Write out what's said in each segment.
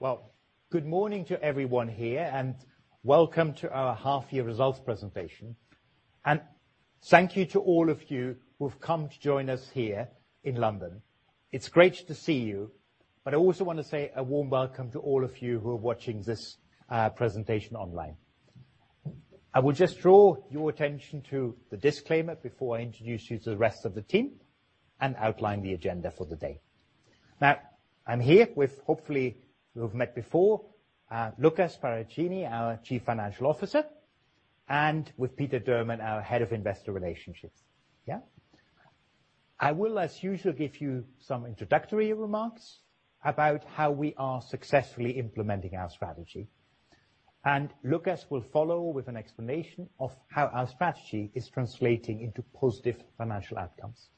Well, good morning to everyone here, and welcome to our half-year results presentation. Thank you to all of you who've come to join us here in London. It's great to see you, but I also wanna say a warm welcome to all of you who are watching this presentation online. I will just draw your attention to the disclaimer before I introduce you to the rest of the team and outline the agenda for the day. Now, I'm here with, hopefully you've met before, Lukas Paravicini, our Chief Financial Officer, and with Peter Durman, our Head of Investor Relations. Yeah? I will, as usual, give you some introductory remarks about how we are successfully implementing our strategy. Lukas will follow with an explanation of how our strategy is translating into positive financial outcomes.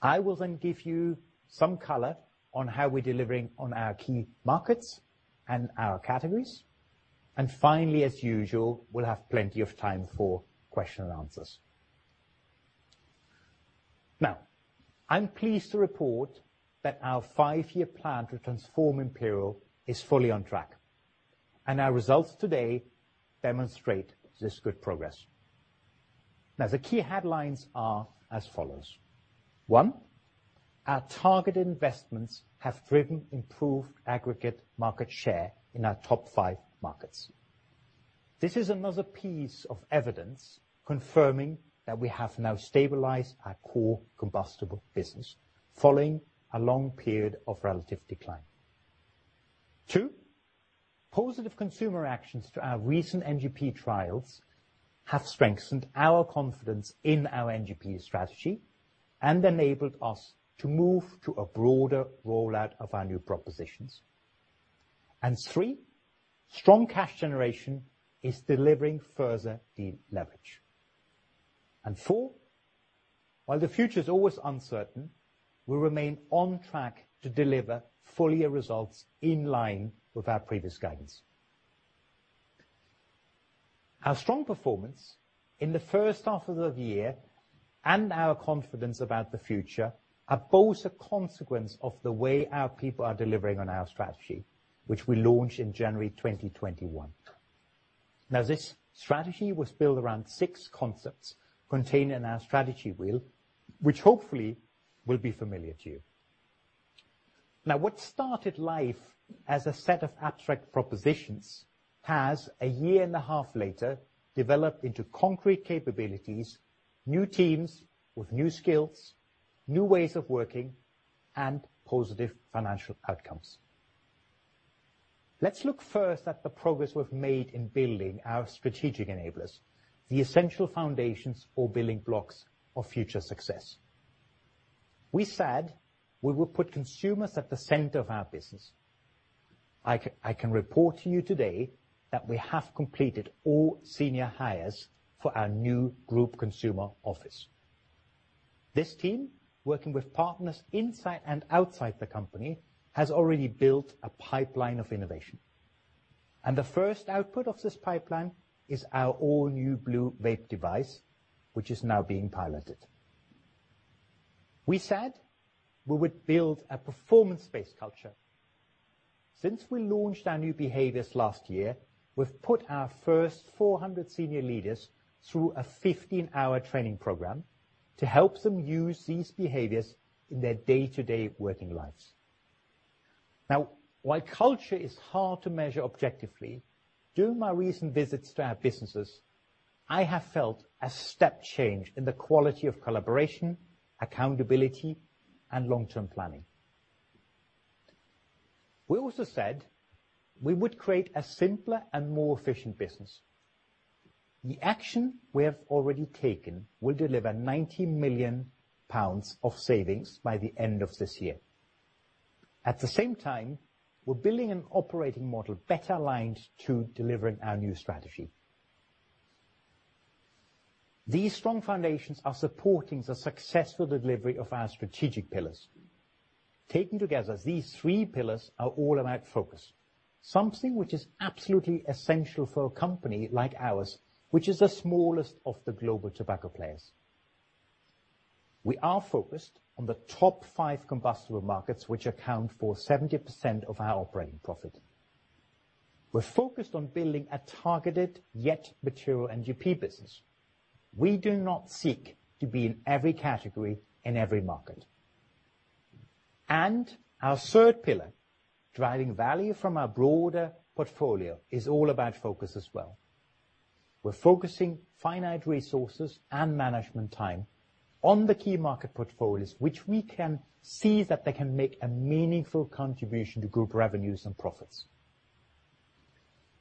I will then give you some color on how we're delivering on our key markets and our categories. Finally, as usual, we'll have plenty of time for question and answers. Now, I'm pleased to report that our five-year plan to transform Imperial is fully on track, and our results today demonstrate this good progress. Now, the key headlines are as follows. One, our target investments have driven improved aggregate market share in our top five markets. This is another piece of evidence confirming that we have now stabilized our core combustible business following a long period of relative decline. Two, positive consumer actions to our recent NGP trials have strengthened our confidence in our NGP strategy and enabled us to move to a broader rollout of our new propositions. Three, strong cash generation is delivering further deep leverage. Four, while the future is always uncertain, we remain on track to deliver full year results in line with our previous guidance. Our strong performance in the first half of the year and our confidence about the future are both a consequence of the way our people are delivering on our strategy, which we launched in January 2021. Now, this strategy was built around six concepts contained in our strategy wheel, which hopefully will be familiar to you. Now, what started life as a set of abstract propositions has, a year and a half later, developed into concrete capabilities, new teams with new skills, new ways of working, and positive financial outcomes. Let's look first at the progress we've made in building our strategic enablers, the essential foundations for building blocks of future success. We said we will put consumers at the center of our business. I can report to you today that we have completed all senior hires for our new group consumer office. This team, working with partners inside and outside the company, has already built a pipeline of innovation, and the first output of this pipeline is our all-new blu vape device, which is now being piloted. We said we would build a performance-based culture. Since we launched our new behaviors last year, we've put our first 400 senior leaders through a 15-hour training program to help them use these behaviors in their day-to-day working lives. Now, while culture is hard to measure objectively, during my recent visits to our businesses, I have felt a step change in the quality of collaboration, accountability, and long-term planning. We also said we would create a simpler and more efficient business. The action we have already taken will deliver 90 million pounds of savings by the end of this year. At the same time, we're building an operating model better aligned to delivering our new strategy. These strong foundations are supporting the successful delivery of our strategic pillars. Taken together, these three pillars are all about focus, something which is absolutely essential for a company like ours, which is the smallest of the global tobacco players. We are focused on the top five combustible markets, which account for 70% of our operating profit. We're focused on building a targeted yet material NGP business. We do not seek to be in every category in every market. Our third pillar, driving value from our broader portfolio, is all about focus as well. We're focusing finite resources and management time on the key market portfolios which we can see that they can make a meaningful contribution to group revenues and profits.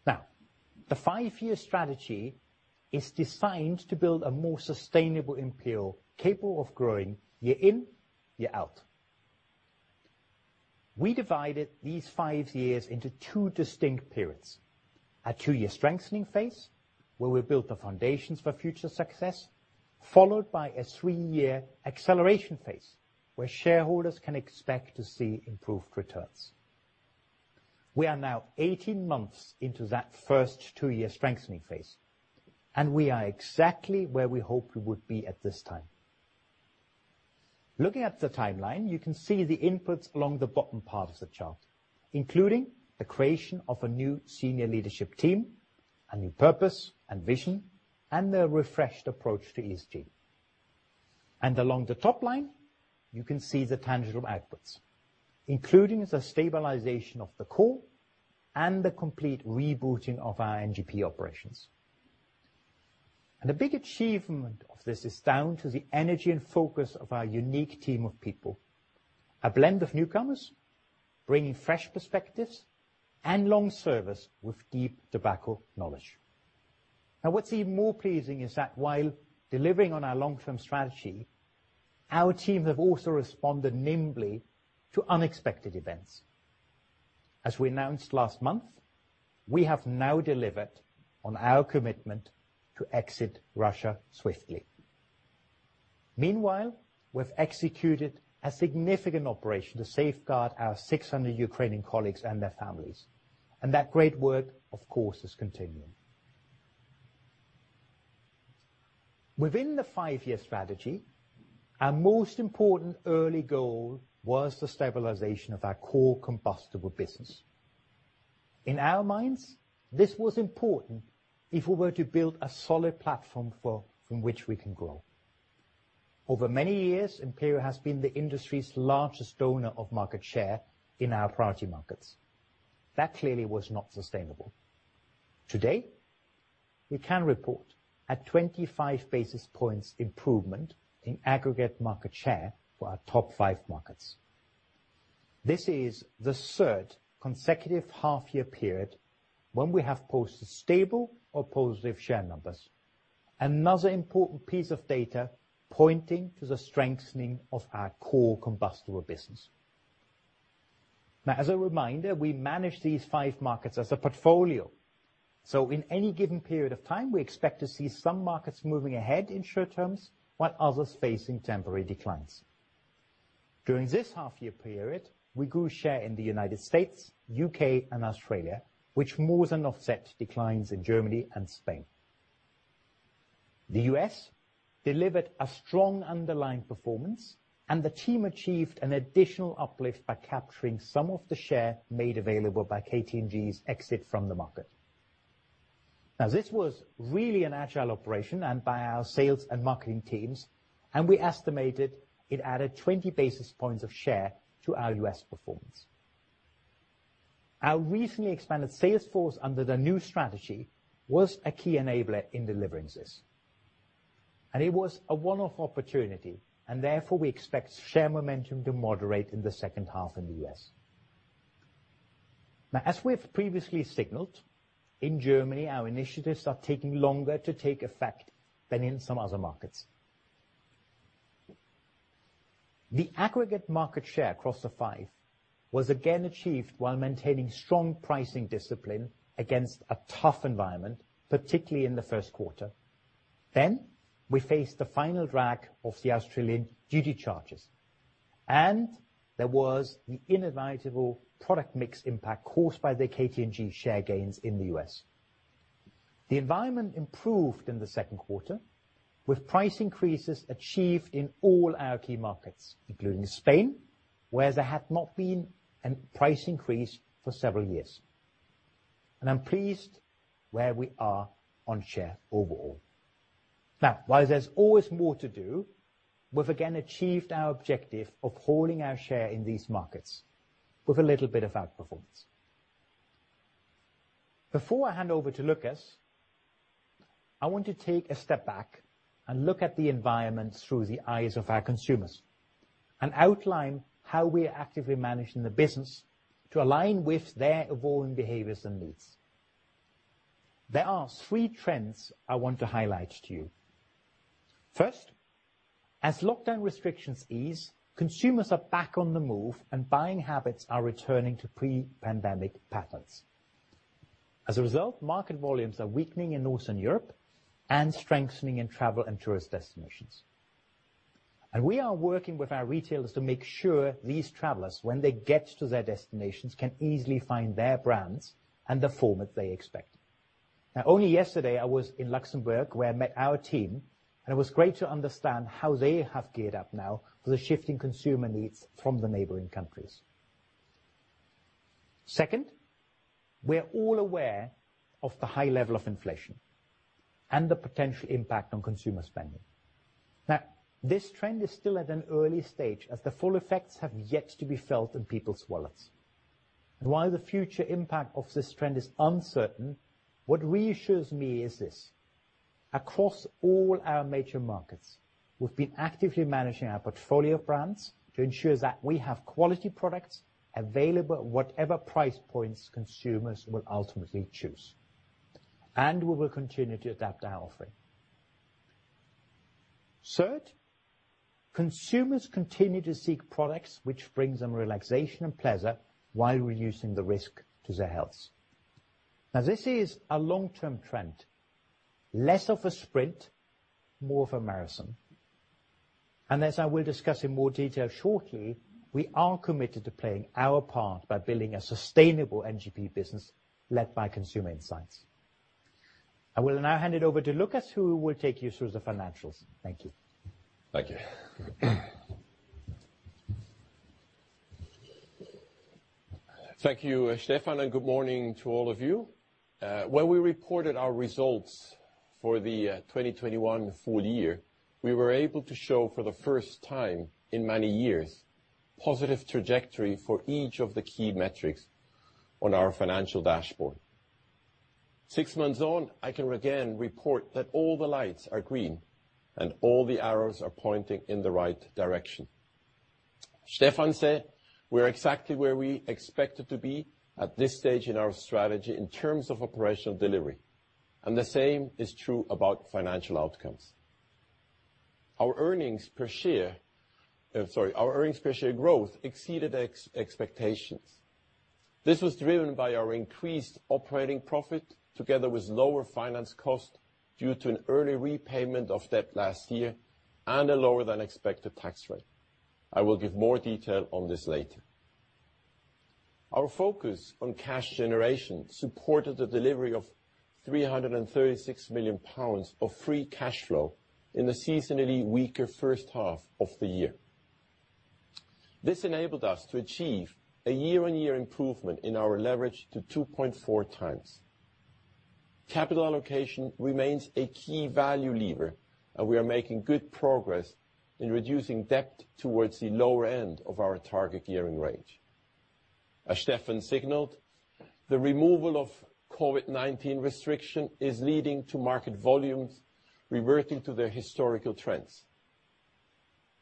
Now, the five year strategy is designed to build a more sustainable Imperial capable of growing year in, year out. We divided these five years into two distinct periods. A two year strengthening phase, where we built the foundations for future success, followed by a three year acceleration phase, where shareholders can expect to see improved returns. We are now 18 months into that first two year strengthening phase, and we are exactly where we hoped we would be at this time. Looking at the timeline, you can see the inputs along the bottom part of the chart, including the creation of a new senior leadership team, a new purpose and vision, and the refreshed approach to ESG. Along the top line, you can see the tangible outputs, including the stabilization of the core and the complete rebooting of our NGP operations. A big achievement of this is down to the energy and focus of our unique team of people. A blend of newcomers bringing fresh perspectives and long service with deep tobacco knowledge. Now, what's even more pleasing is that while delivering on our long-term strategy, our team have also responded nimbly to unexpected events. As we announced last month, we have now delivered on our commitment to exit Russia swiftly. Meanwhile, we've executed a significant operation to safeguard our 600 Ukrainian colleagues and their families, and that great work, of course, is continuing. Within the five-year strategy, our most important early goal was the stabilization of our core combustible business. In our minds, this was important if we were to build a solid platform from which we can grow. Over many years, Imperial has been the industry's largest owner of market share in our priority markets. That clearly was not sustainable. Today, we can report a 25 basis points improvement in aggregate market share for our top five markets. This is the third consecutive half year period when we have posted stable or positive share numbers. Another important piece of data pointing to the strengthening of our core combustible business. Now, as a reminder, we manage these five markets as a portfolio, so in any given period of time, we expect to see some markets moving ahead in the short term, while others facing temporary declines. During this half year period, we grew share in the United States, U.K., and Australia, which more than offset declines in Germany and Spain. The U.S. delivered a strong underlying performance, and the team achieved an additional uplift by capturing some of the share made available by KT&G's exit from the market. Now, this was really an agile operation and by our sales and marketing teams, and we estimated it added 20 basis points of share to our U.S. performance. Our recently expanded sales force under the new strategy was a key enabler in delivering this, and it was a one-off opportunity and therefore we expect share momentum to moderate in the second half in the U.S. Now, as we have previously signaled, in Germany, our initiatives are taking longer to take effect than in some other markets. The aggregate market share across the five was again achieved while maintaining strong pricing discipline against a tough environment, particularly in the first quarter. We faced the final drag of the Australian duty charges, and there was the inevitable product mix impact caused by the KT&G share gains in the U.S. The environment improved in the second quarter with price increases achieved in all our key markets, including Spain, where there had not been a price increase for several years. I'm pleased where we are on share overall. Now, while there's always more to do, we've again achieved our objective of holding our share in these markets with a little bit of outperformance. Before I hand over to Lukas, I want to take a step back and look at the environment through the eyes of our consumers and outline how we are actively managing the business to align with their evolving behaviors and needs. There are three trends I want to highlight to you. First, as lockdown restrictions ease, consumers are back on the move and buying habits are returning to pre-pandemic patterns. As a result, market volumes are weakening in Northern Europe and strengthening in travel and tourist destinations. We are working with our retailers to make sure these travelers, when they get to their destinations, can easily find their brands and the format they expect. Now, only yesterday, I was in Luxembourg, where I met our team, and it was great to understand how they have geared up now for the shifting consumer needs from the neighboring countries. Second, we're all aware of the high level of inflation and the potential impact on consumer spending. Now, this trend is still at an early stage as the full effects have yet to be felt in people's wallets. While the future impact of this trend is uncertain, what reassures me is this: across all our major markets, we've been actively managing our portfolio of brands to ensure that we have quality products available at whatever price points consumers will ultimately choose, and we will continue to adapt our offering. Third, consumers continue to seek products which bring them relaxation and pleasure while reducing the risk to their health. Now, this is a long-term trend, less of a sprint, more of a marathon. As I will discuss in more detail shortly, we are committed to playing our part by building a sustainable NGP business led by consumer insights. I will now hand it over to Lukas, who will take you through the financials. Thank you. Thank you. Thank you, Stefan, and good morning to all of you. When we reported our results for the 2021 full year, we were able to show for the first time in many years positive trajectory for each of the key metrics on our financial dashboard. Six months on, I can again report that all the lights are green, and all the arrows are pointing in the right direction. Stefan said we're exactly where we expected to be at this stage in our strategy in terms of operational delivery, and the same is true about financial outcomes. Our earnings per share growth exceeded expectations. This was driven by our increased operating profit together with lower finance cost due to an early repayment of debt last year and a lower than expected tax rate. I will give more detail on this later. Our focus on cash generation supported the delivery of 336 million pounds of free cash flow in the seasonally weaker first half of the year. This enabled us to achieve a year-on-year improvement in our leverage to 2.4x. Capital allocation remains a key value lever, and we are making good progress in reducing debt towards the lower end of our target gearing range. As Stefan signaled, the removal of COVID-19 restriction is leading to market volumes reverting to their historical trends.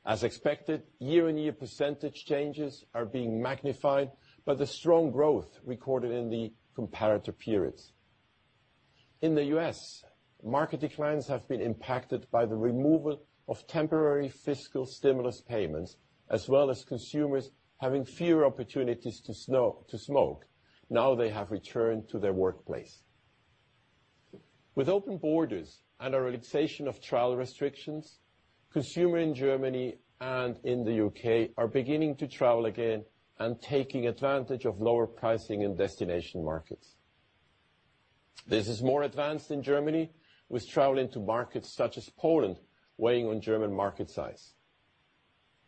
As expected, year-on-year percentage changes are being magnified by the strong growth recorded in the comparator periods. In the U.S., market declines have been impacted by the removal of temporary fiscal stimulus payments, as well as consumers having fewer opportunities to smoke now they have returned to their workplace. With open borders and a relaxation of travel restrictions, consumers in Germany and in the U.K. are beginning to travel again and taking advantage of lower pricing in destination markets. This is more advanced in Germany with travel into markets such as Poland weighing on German market size.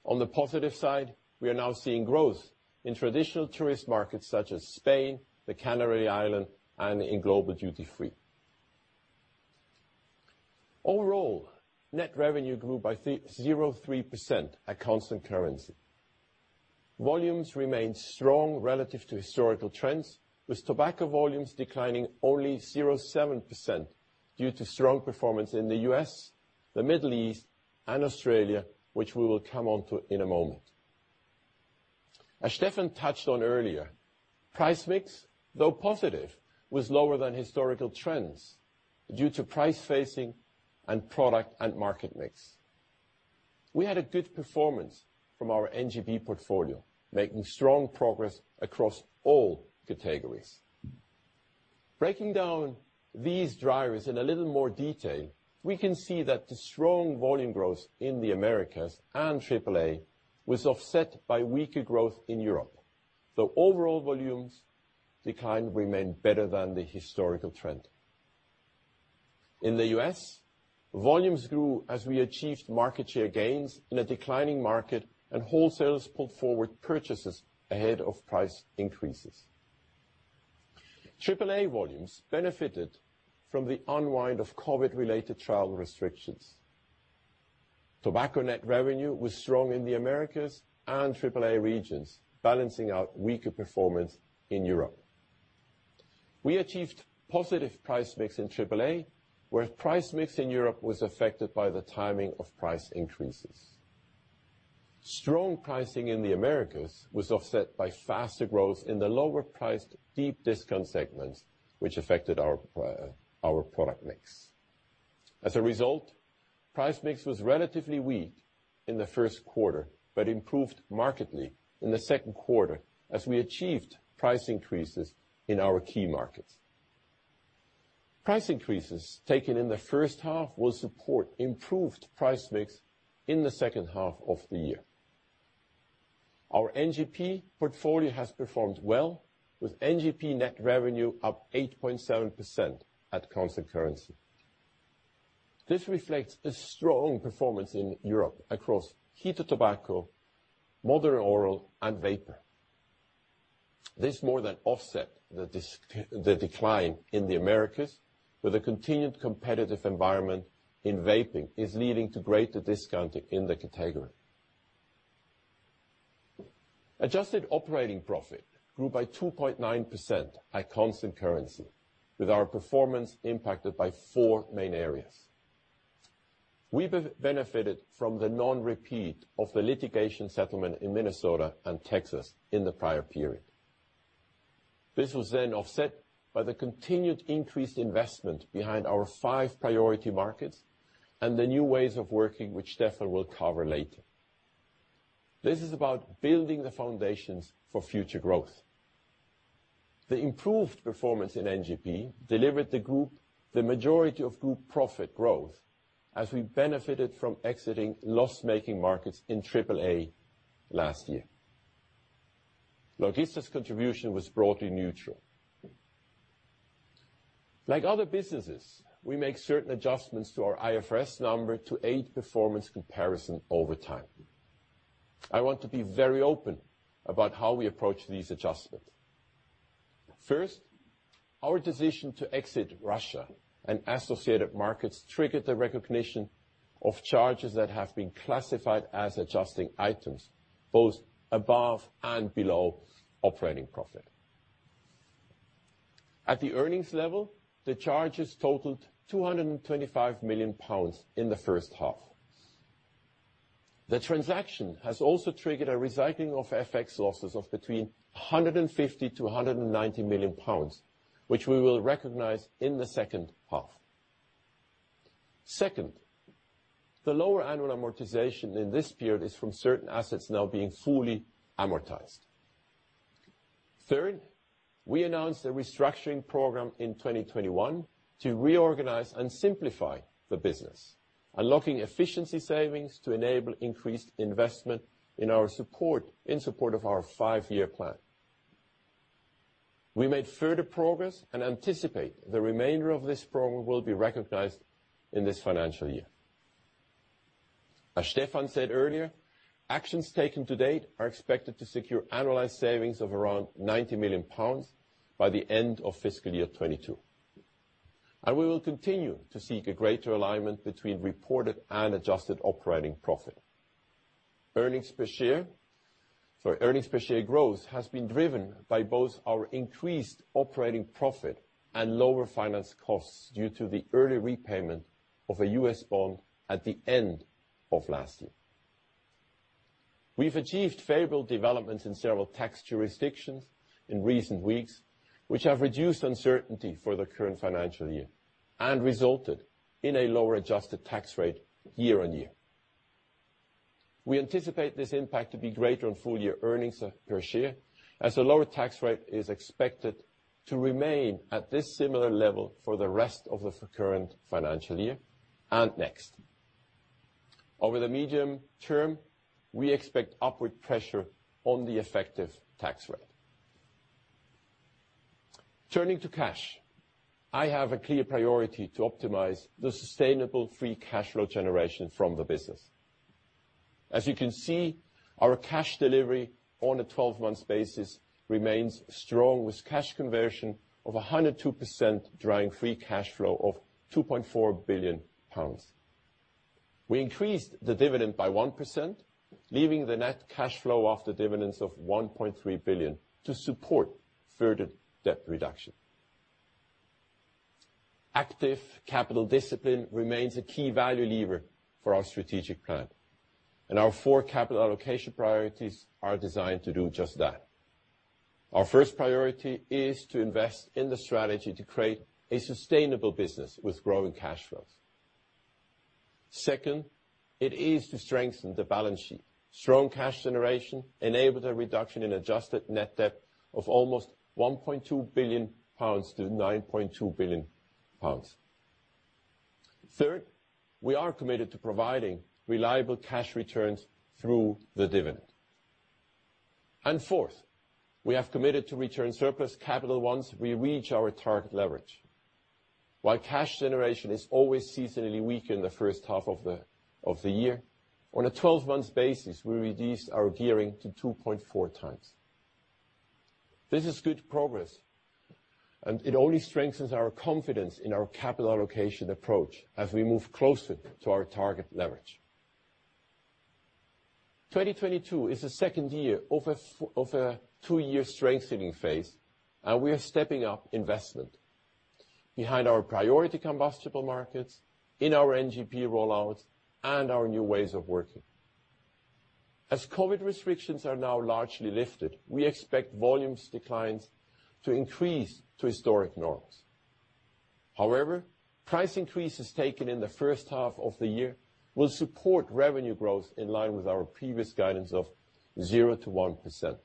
On the positive side, we are now seeing growth in traditional tourist markets such as Spain, the Canary Islands, and in global duty-free. Overall, net revenue grew by 0.3% at constant currency. Volumes remained strong relative to historical trends, with tobacco volumes declining only 0.7% due to strong performance in the U.S., the Middle East, and Australia, which we will come onto in a moment. As Stefan touched on earlier, price mix, though positive, was lower than historical trends due to price gapping and product and market mix. We had a good performance from our NGP portfolio, making strong progress across all categories. Breaking down these drivers in a little more detail, we can see that the strong volume growth in the Americas and AAA was offset by weaker growth in Europe, though overall volumes decline remained better than the historical trend. In the U.S., volumes grew as we achieved market share gains in a declining market and wholesalers pulled forward purchases ahead of price increases. AAA volumes benefited from the unwind of COVID-related travel restrictions. Tobacco net revenue was strong in the Americas and AAA regions, balancing out weaker performance in Europe. We achieved positive price mix in AAA, where price mix in Europe was affected by the timing of price increases. Strong pricing in the Americas was offset by faster growth in the lower priced deep discount segments, which affected our product mix. As a result, price mix was relatively weak in the first quarter, but improved markedly in the second quarter as we achieved price increases in our key markets. Price increases taken in the first half will support improved price mix in the second half of the year. Our NGP portfolio has performed well with NGP net revenue up 8.7% at constant currency. This reflects a strong performance in Europe across heated tobacco, modern oral, and vapor. This more than offset the decline in the Americas, where the continued competitive environment in vaping is leading to greater discounting in the category. Adjusted operating profit grew by 2.9% at constant currency, with our performance impacted by four main areas. We benefited from the non-repeat of the litigation settlement in Minnesota and Texas in the prior period. This was then offset by the continued increased investment behind our five priority markets and the new ways of working, which Stefan will cover later. This is about building the foundations for future growth. The improved performance in NGP delivered the group the majority of group profit growth as we benefited from exiting loss-making markets in triple A last year. Logista's contribution was broadly neutral. Like other businesses, we make certain adjustments to our IFRS number to aid performance comparison over time. I want to be very open about how we approach these adjustments. First, our decision to exit Russia and associated markets triggered the recognition of charges that have been classified as adjusting items, both above and below operating profit. At the earnings level, the charges totaled 225 million pounds in the first half. The transaction has also triggered a recycling of FX losses of between 150 and 190 million pounds, which we will recognize in the second half. Second, the lower annual amortization in this period is from certain assets now being fully amortized. Third, we announced a restructuring program in 2021 to reorganize and simplify the business. Unlocking efficiency savings to enable increased investment in our support, in support of our five-year plan. We made further progress and anticipate the remainder of this program will be recognized in this financial year. As Stefan said earlier, actions taken to date are expected to secure annualized savings of around 90 million pounds by the end of fiscal year 2022. We will continue to seek a greater alignment between reported and adjusted operating profit. Earnings per share growth has been driven by both our increased operating profit and lower finance costs due to the early repayment of a U.S. bond at the end of last year. We've achieved favorable developments in several tax jurisdictions in recent weeks, which have reduced uncertainty for the current financial year and resulted in a lower adjusted tax rate year on year. We anticipate this impact to be greater on full year earnings per share as the lower tax rate is expected to remain at this similar level for the rest of the current financial year and next. Over the medium term, we expect upward pressure on the effective tax rate. Turning to cash, I have a clear priority to optimize the sustainable free cash flow generation from the business. As you can see, our cash delivery on a 12 months basis remains strong, with cash conversion of 102% driving free cash flow of 2.4 billion pounds. We increased the dividend by 1%, leaving the net cash flow of the dividends of 1.3 billion to support further debt reduction. Active capital discipline remains a key value lever for our strategic plan. Our four capital allocation priorities are designed to do just that. Our first priority is to invest in the strategy to create a sustainable business with growing cash flows. Second, it is to strengthen the balance sheet. Strong cash generation enabled a reduction in adjusted net debt of almost 1.2 billion pounds to 9.2 billion pounds. Third, we are committed to providing reliable cash returns through the dividend. Fourth, we have committed to return surplus capital once we reach our target leverage. While cash generation is always seasonally weak in the first half of the year, on a 12 months basis, we reduced our gearing to 2.4x. This is good progress, and it only strengthens our confidence in our capital allocation approach as we move closer to our target leverage. 2022 is the second year of a two-year strengthening phase, and we are stepping up investment behind our priority combustible markets, in our NGP rollouts, and our new ways of working. As COVID restrictions are now largely lifted, we expect volumes declines to increase to historic norms. However, price increases taken in the first half of the year will support revenue growth in line with our previous guidance of 0%-1%.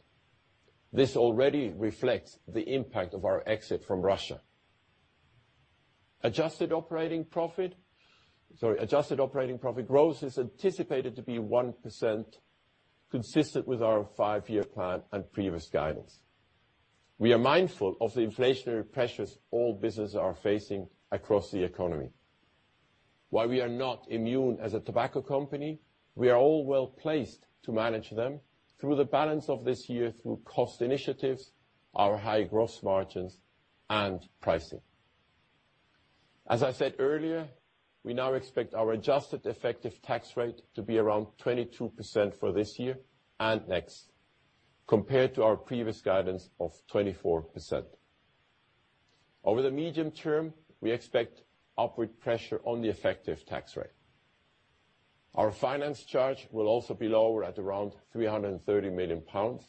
This already reflects the impact of our exit from Russia. Adjusted operating profit growth is anticipated to be 1% consistent with our five-year plan and previous guidance. We are mindful of the inflationary pressures all businesses are facing across the economy. While we are not immune as a tobacco company, we are all well placed to manage them through the balance of this year through cost initiatives, our high gross margins, and pricing. As I said earlier, we now expect our adjusted effective tax rate to be around 22% for this year and next, compared to our previous guidance of 24%. Over the medium term, we expect upward pressure on the effective tax rate. Our finance charge will also be lower at around 330 million pounds,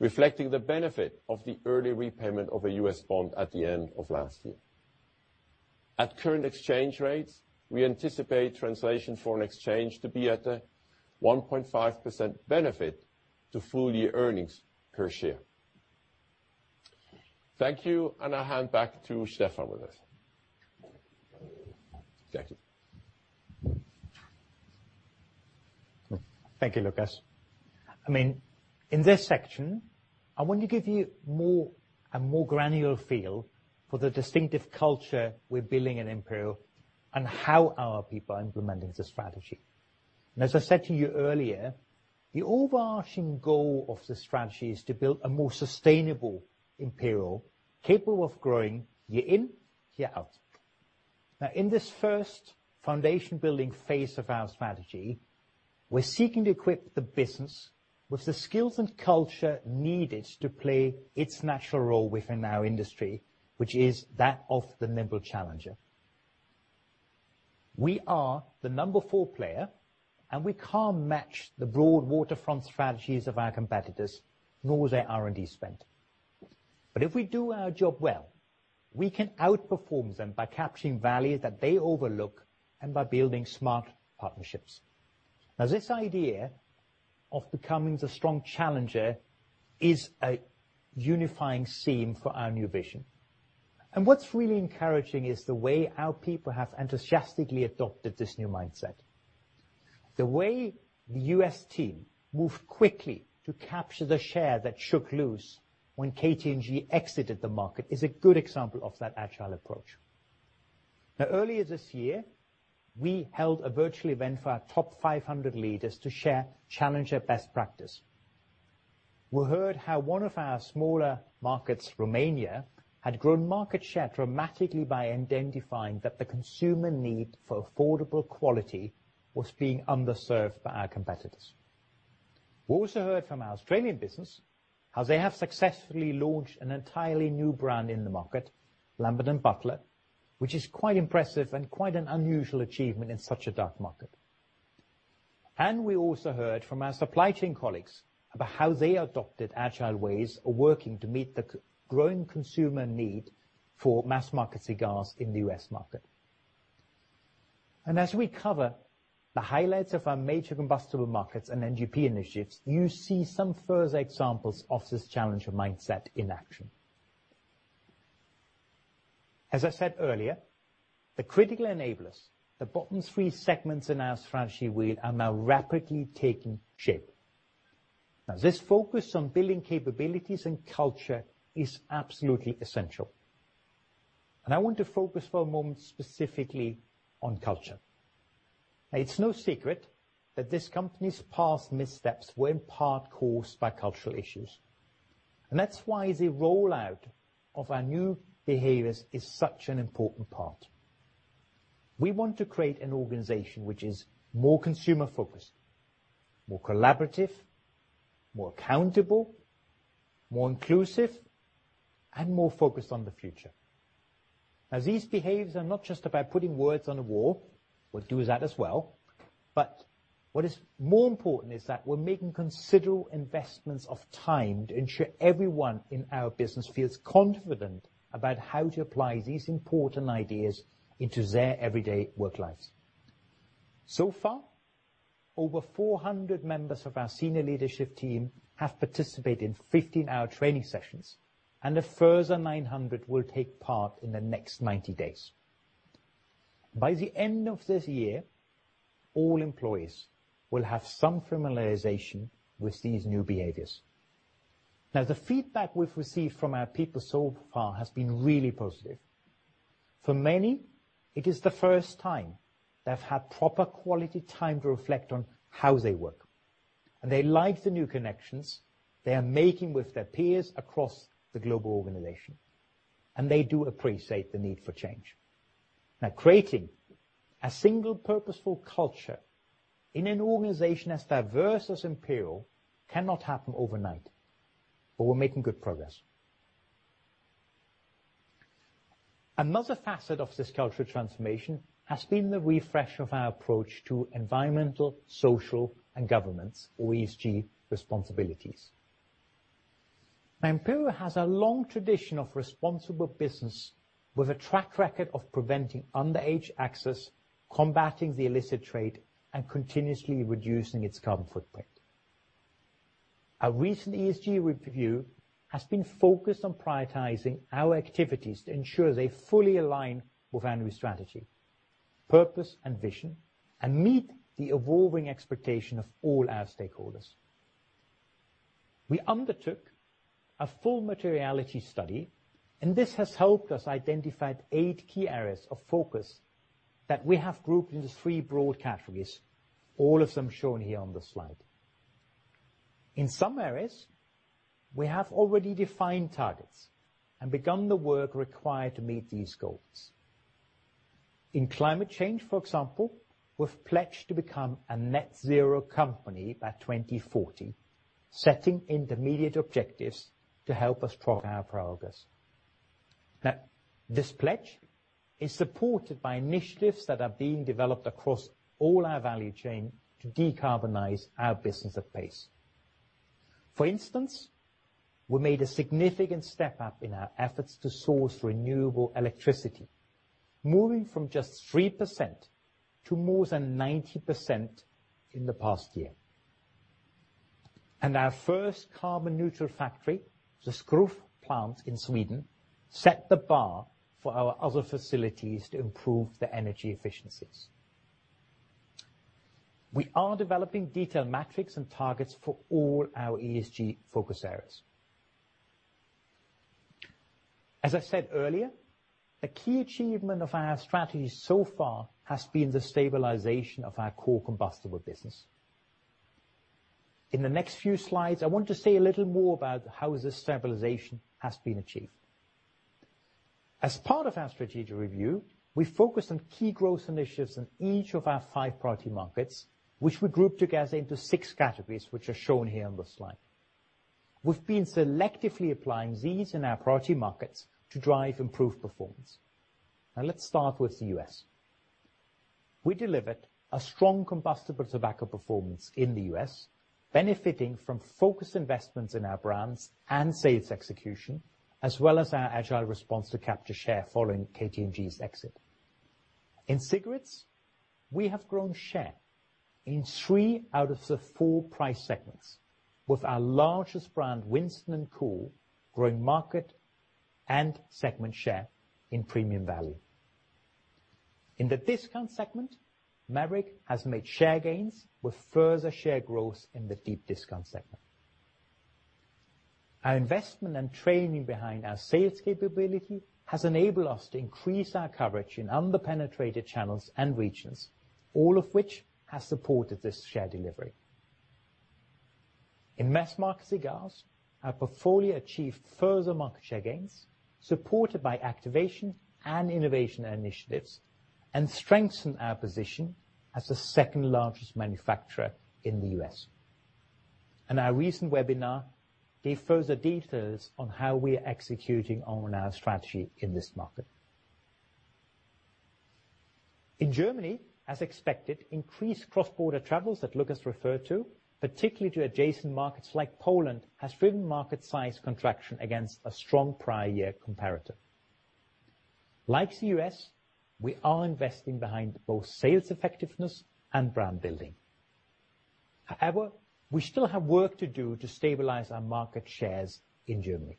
reflecting the benefit of the early repayment of a U.S. bond at the end of last year. At current exchange rates, we anticipate translation foreign exchange to be at a 1.5% benefit to full year earnings per share. Thank you, and I'll hand back to Stefan with this. Thank you. Thank you, Lukas. I mean, in this section, I want to give you more, a more granular feel for the distinctive culture we're building at Imperial and how our people are implementing the strategy. As I said to you earlier, the overarching goal of the strategy is to build a more sustainable Imperial, capable of growing year in, year out. Now, in this first foundation building phase of our strategy, we're seeking to equip the business with the skills and culture needed to play its natural role within our industry, which is that of the nimble challenger. We are the number four player, and we can't match the broad waterfront strategies of our competitors, nor their R&D spend. But if we do our job well, we can outperform them by capturing value that they overlook and by building smart partnerships. Now, this idea of becoming the strong challenger is a unifying theme for our new vision. What's really encouraging is the way our people have enthusiastically adopted this new mindset. The way the U.S. team moved quickly to capture the share that shook loose when KT&G exited the market is a good example of that agile approach. Now, earlier this year, we held a virtual event for our top 500 leaders to share challenger best practice. We heard how one of our smaller markets, Romania, had grown market share dramatically by identifying that the consumer need for affordable quality was being underserved by our competitors. We also heard from our Australian business how they have successfully launched an entirely new brand in the market, Lambert & Butler, which is quite impressive and quite an unusual achievement in such a dark market. We also heard from our supply chain colleagues about how they adopted agile ways of working to meet the growing consumer need for mass-market cigars in the U.S. market. As we cover the highlights of our major combustible markets and NGP initiatives, you see some further examples of this challenger mindset in action. As I said earlier, the critical enablers, the bottom three segments in our strategy wheel, are now rapidly taking shape. Now this focus on building capabilities and culture is absolutely essential, and I want to focus for a moment specifically on culture. It's no secret that this company's past missteps were in part caused by cultural issues, and that's why the rollout of our new behaviors is such an important part. We want to create an organization which is more consumer-focused, more collaborative, more accountable, more inclusive, and more focused on the future. Now, these behaviors are not just about putting words on a wall. We'll do that as well. What is more important is that we're making considerable investments of time to ensure everyone in our business feels confident about how to apply these important ideas into their everyday work lives. So far, over 400 members of our senior leadership team have participated in 15-hour training sessions, and a further 900 will take part in the next 90 days. By the end of this year, all employees will have some familiarization with these new behaviors. Now, the feedback we've received from our people so far has been really positive. For many, it is the first time they've had proper quality time to reflect on how they work, and they like the new connections they are making with their peers across the global organization, and they do appreciate the need for change. Now, creating a single purposeful culture in an organization as diverse as Imperial cannot happen overnight. We're making good progress. Another facet of this cultural transformation has been the refresh of our approach to environmental, social, and governance, or ESG, responsibilities. Now Imperial has a long tradition of responsible business with a track record of preventing underage access, combating the illicit trade, and continuously reducing its carbon footprint. Our recent ESG review has been focused on prioritizing our activities to ensure they fully align with our new strategy, purpose and vision, and meet the evolving expectation of all our stakeholders. We undertook a full materiality study, and this has helped us identify eight key areas of focus that we have grouped into three broad categories, all of them shown here on the slide. In some areas, we have already defined targets and begun the work required to meet these goals. In climate change, for example, we've pledged to become a Net Zero company by 2024, setting intermediate objectives to help us track our progress. Now, this pledge is supported by initiatives that are being developed across all our value chain to decarbonize our business at pace. For instance, we made a significant step up in our efforts to source renewable electricity, moving from just 3% to more than 90% in the past year. Our first carbon neutral factory, the Skruf plant in Sweden, set the bar for our other facilities to improve their energy efficiencies. We are developing detailed metrics and targets for all our ESG focus areas. As I said earlier, a key achievement of our strategy so far has been the stabilization of our core combustible business. In the next few slides, I want to say a little more about how this stabilization has been achieved. As part of our strategic review, we focused on key growth initiatives in each of our five priority markets, which we grouped together into six categories, which are shown here on the slide. We've been selectively applying these in our priority markets to drive improved performance. Now let's start with the U.S. We delivered a strong combustible tobacco performance in the U.S., benefiting from focused investments in our brands and sales execution, as well as our agile response to capture share following KT&G's exit. In cigarettes, we have grown share in three out of the four price segments, with our largest brand, Winston and Kool, growing market and segment share in premium value. In the discount segment, Maverick has made share gains with further share growth in the deep discount segment. Our investment and training behind our sales capability has enabled us to increase our coverage in under-penetrated channels and regions, all of which has supported this share delivery. In mass-market cigars, our portfolio achieved further market share gains, supported by activation and innovation initiatives, and strengthened our position as the second-largest manufacturer in the U.S. Our recent webinar gave further details on how we are executing on our strategy in this market. In Germany, as expected, increased cross-border travels that Lukas referred to, particularly to adjacent markets like Poland, has driven market size contraction against a strong prior year comparator. Like the U.S., we are investing behind both sales effectiveness and brand building. However, we still have work to do to stabilize our market shares in Germany.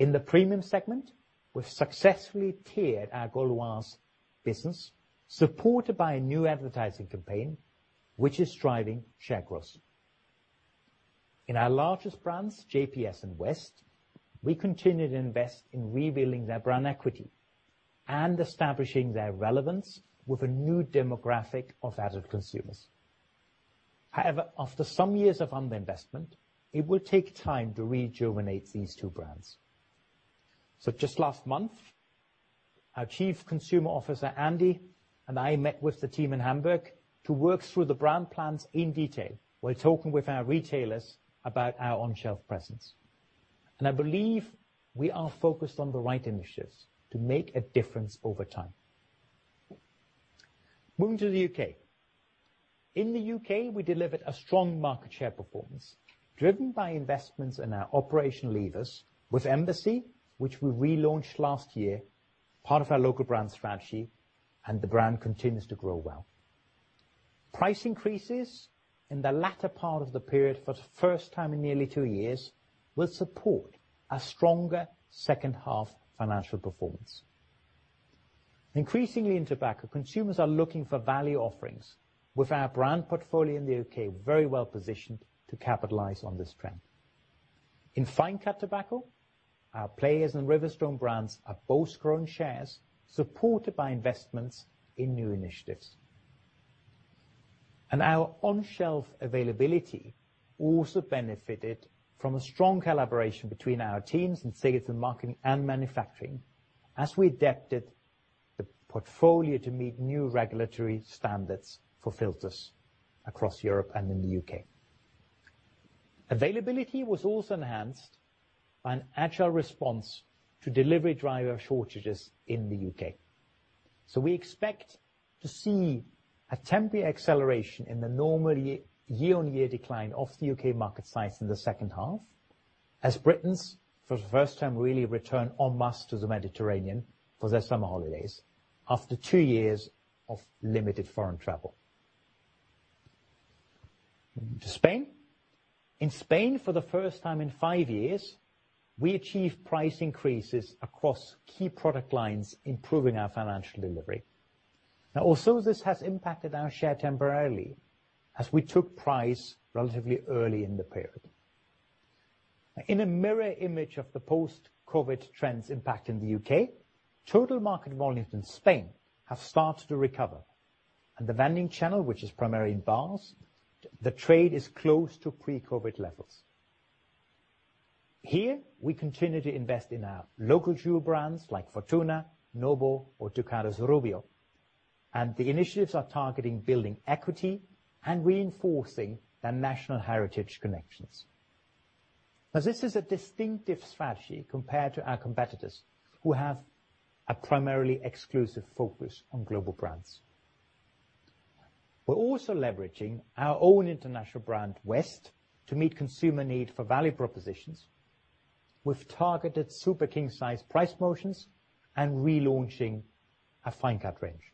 In the premium segment, we've successfully tiered our Gauloises business, supported by a new advertising campaign, which is driving share growth. In our largest brands, JPS and West, we continue to invest in rebuilding their brand equity and establishing their relevance with a new demographic of adult consumers. However, after some years of underinvestment, it will take time to rejuvenate these two brands. So just last month, our Chief Consumer Officer, Andy, and I met with the team in Hamburg to work through the brand plans in detail while talking with our retailers about our on-shelf presence. I believe we are focused on the right initiatives to make a difference over time. Moving to the U.K. In the U.K., we delivered a strong market share performance, driven by investments in our operational levers with Embassy, which we relaunched last year, part of our local brand strategy, and the brand continues to grow well. Price increases in the latter part of the period for the first time in nearly two years will support a stronger second-half financial performance. Increasingly in tobacco, consumers are looking for value offerings with our brand portfolio in the U.K. very well positioned to capitalize on this trend. In fine cut tobacco, our Players and Riverstone brands have both grown shares supported by investments in new initiatives. Our on-shelf availability also benefited from a strong collaboration between our teams in sales and marketing and manufacturing as we adapted the portfolio to meet new regulatory standards for filters across Europe and in the U.K. Availability was also enhanced by an agile response to delivery driver shortages in the U.K. We expect to see a temporary acceleration in the normal year-on-year decline of the U.K. Market size in the second half as Britons for the first time really return en masse to the Mediterranean for their summer holidays after two years of limited foreign travel. Spain. In Spain, for the first time in five years, we achieved price increases across key product lines, improving our financial delivery. Now also, this has impacted our share temporarily as we took price relatively early in the period. In a mirror image of the post-COVID trends impact in the U.K., total market volumes in Spain have started to recover. In the vending channel, which is primarily in bars, the trade is close to pre-COVID levels. Here, we continue to invest in our local jewel brands like Fortuna, Nobel or Ducados Rubio, and the initiatives are targeting building equity and reinforcing their national heritage connections. Now this is a distinctive strategy compared to our competitors who have a primarily exclusive focus on global brands. We're also leveraging our own international brand, West, to meet consumer need for value propositions with targeted Super King Size price motions and relaunching a fine cut range.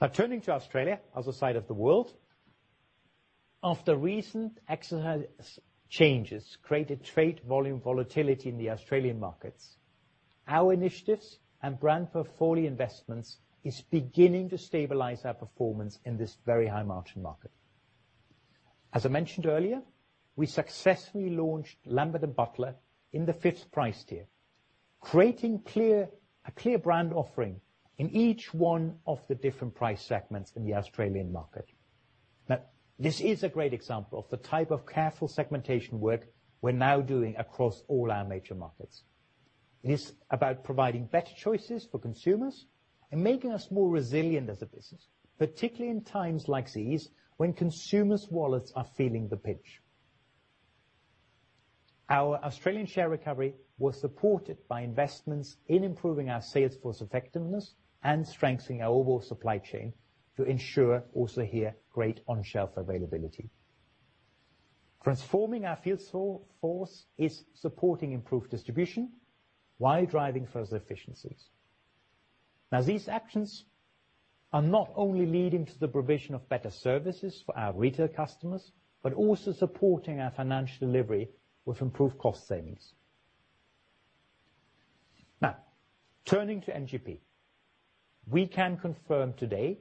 Now turning to Australia, other side of the world. After recent excise changes created trade volume volatility in the Australian markets, our initiatives and brand portfolio investments is beginning to stabilize our performance in this very high-margin market. As I mentioned earlier, we successfully launched Lambert and Butler in the fifth price tier, creating a clear brand offering in each one of the different price segments in the Australian market. Now, this is a great example of the type of careful segmentation work we're now doing across all our major markets. It is about providing better choices for consumers and making us more resilient as a business, particularly in times like these, when consumers' wallets are feeling the pinch. Our Australian share recovery was supported by investments in improving our sales force effectiveness and strengthening our overall supply chain to ensure also here great on-shelf availability. Transforming our field sales force is supporting improved distribution while driving further efficiencies. Now these actions are not only leading to the provision of better services for our retail customers, but also supporting our financial delivery with improved cost savings. Now, turning to NGP, we can confirm today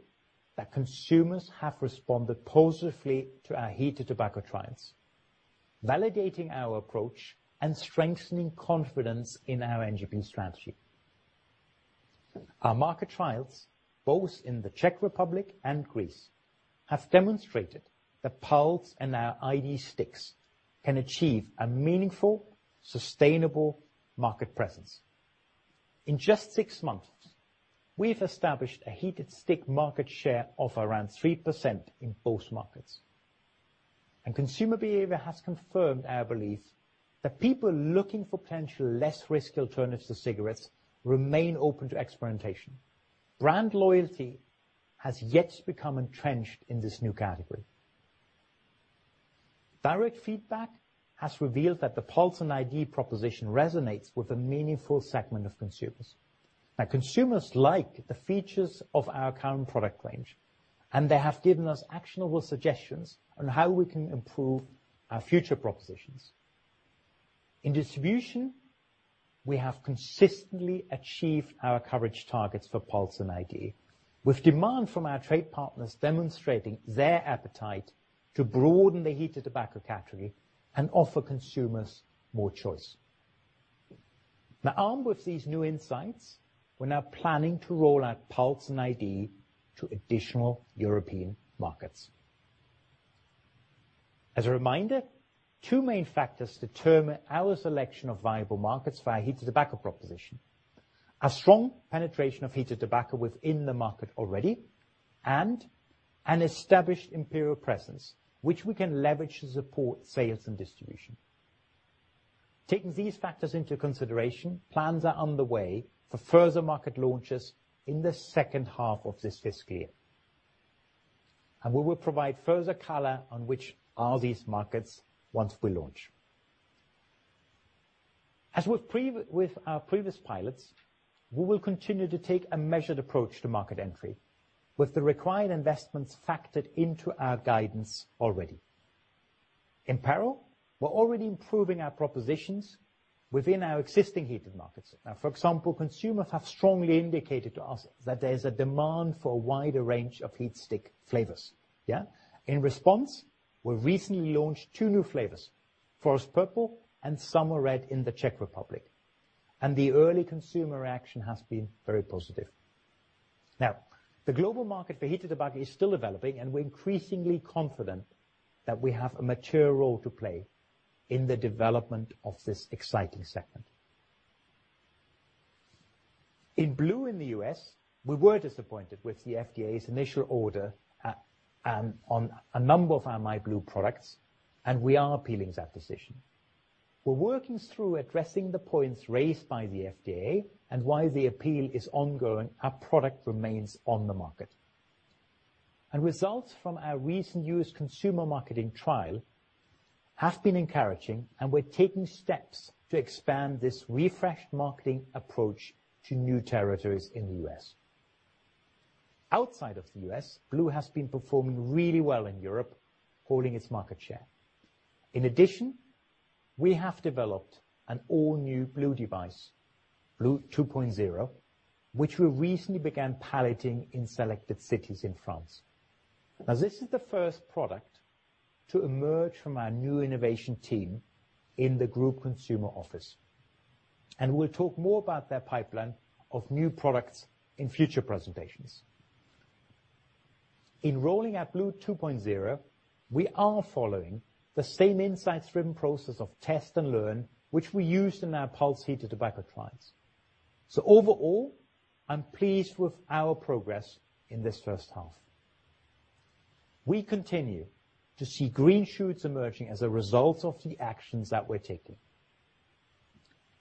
that consumers have responded positively to our heated tobacco trials, validating our approach and strengthening confidence in our NGP strategy. Our market trials, both in the Czech Republic and Greece, have demonstrated that Pulze and our iD sticks can achieve a meaningful, sustainable market presence. In just six months, we've established a heated stick market share of around 3% in both markets. Consumer behavior has confirmed our belief that people looking for potential less risk alternatives to cigarettes remain open to experimentation. Brand loyalty has yet to become entrenched in this new category. Direct feedback has revealed that the Pulze and iD proposition resonates with a meaningful segment of consumers. Now consumers like the features of our current product range, and they have given us actionable suggestions on how we can improve our future propositions. In distribution, we have consistently achieved our coverage targets for Pulze and iD, with demand from our trade partners demonstrating their appetite to broaden the heated tobacco category and offer consumers more choice. Now armed with these new insights, we're now planning to roll out Pulze and iD to additional European markets. As a reminder, two main factors determine our selection of viable markets for our heated tobacco proposition. A strong penetration of heated tobacco within the market already and an established Imperial presence, which we can leverage to support sales and distribution. Taking these factors into consideration, plans are underway for further market launches in the second half of this fiscal year. We will provide further color on which are these markets once we launch. As with our previous pilots, we will continue to take a measured approach to market entry, with the required investments factored into our guidance already. In parallel, we're already improving our propositions within our existing heated markets. Now, for example, consumers have strongly indicated to us that there's a demand for a wider range of heatstick flavors. Yeah. In response, we recently launched two new flavors, Forest Purple and Summer Red in the Czech Republic. The early consumer traction has been very positive. Now, the global market for heated tobacco is still developing, and we're increasingly confident that we have a major role to play in the development of this exciting segment. In blu in the U.S., we were disappointed with the FDA's initial order on a number of our myblu products, and we are appealing that decision. We're working through addressing the points raised by the FDA and, while the appeal is ongoing, our product remains on the market. Results from our recent U.S. consumer marketing trial have been encouraging, and we're taking steps to expand this refreshed marketing approach to new territories in the U.S. Outside of the U.S., blu has been performing really well in Europe, holding its market share. In addition, we have developed an all-new blu device, blu 2.0, which we recently began piloting in selected cities in France. Now this is the first product to emerge from our new innovation team in the group consumer office. We'll talk more about their pipeline of new products in future presentations. In rolling out blu 2.0, we are following the same insight-driven process of test and learn, which we used in our Pulze heated tobacco trials. Overall, I'm pleased with our progress in this first half. We continue to see green shoots emerging as a result of the actions that we're taking.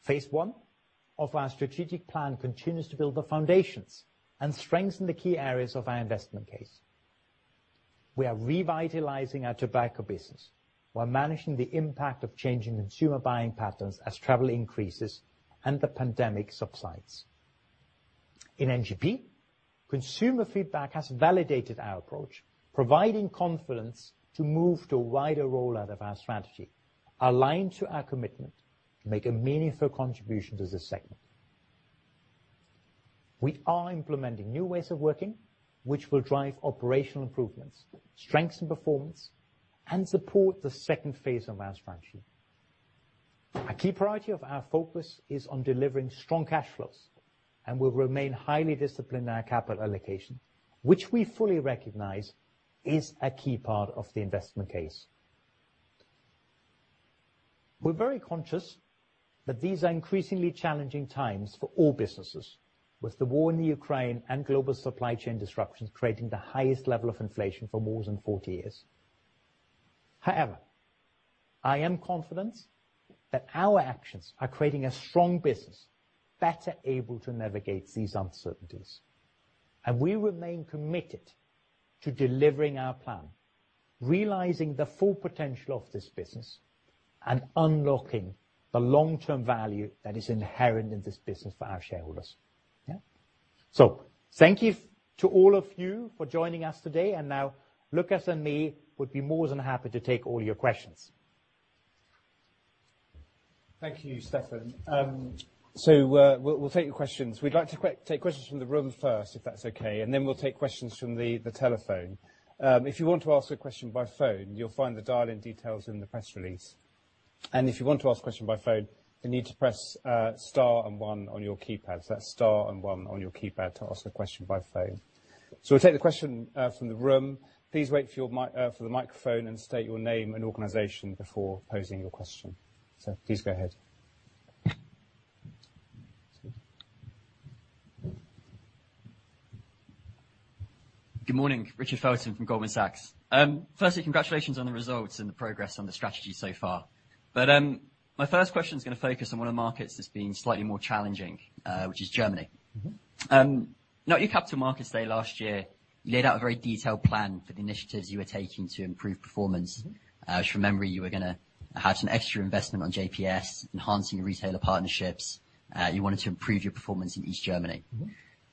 Phase I of our strategic plan continues to build the foundations and strengthen the key areas of our investment case. We are revitalizing our tobacco business while managing the impact of changing consumer buying patterns as travel increases and the pandemic subsides. In NGP, consumer feedback has validated our approach, providing confidence to move to a wider rollout of our strategy, aligned to our commitment to make a meaningful contribution to the segment. We are implementing new ways of working, which will drive operational improvements, strengthen performance, and support the second phase of our strategy. A key priority of our focus is on delivering strong cash flows and will remain highly disciplined in our capital allocation, which we fully recognize is a key part of the investment case. We're very conscious that these are increasingly challenging times for all businesses, with the war in Ukraine and global supply chain disruptions creating the highest level of inflation for more than 40 years. However, I am confident that our actions are creating a strong business, better able to navigate these uncertainties, and we remain committed to delivering our plan, realizing the full potential of this business, and unlocking the long-term value that is inherent in this business for our shareholders. Yeah? Thank you to all of you for joining us today, and now Lukas and me would be more than happy to take all your questions. Thank you, Stefan. We'll take your questions. We'd like to take questions from the room first, if that's okay, and then we'll take questions from the telephone. If you want to ask a question by phone, you'll find the dial-in details in the press release. If you want to ask a question by phone, you need to press star and one on your keypad. That's star and one on your keypad to ask a question by phone. We'll take the question from the room. Please wait for the microphone and state your name and organization before posing your question. Please go ahead. Good morning, Richard Felton from Goldman Sachs. Firstly, congratulations on the results and the progress on the strategy so far. My first question is gonna focus on one of the markets that's been slightly more challenging, which is Germany. Mm-hmm. Now at your Capital Markets Day last year, you laid out a very detailed plan for the initiatives you were taking to improve performance. Mm-hmm. From memory, you were gonna have some extra investment on JPS, enhancing your retailer partnerships. You wanted to improve your performance in East Germany. Mm-hmm.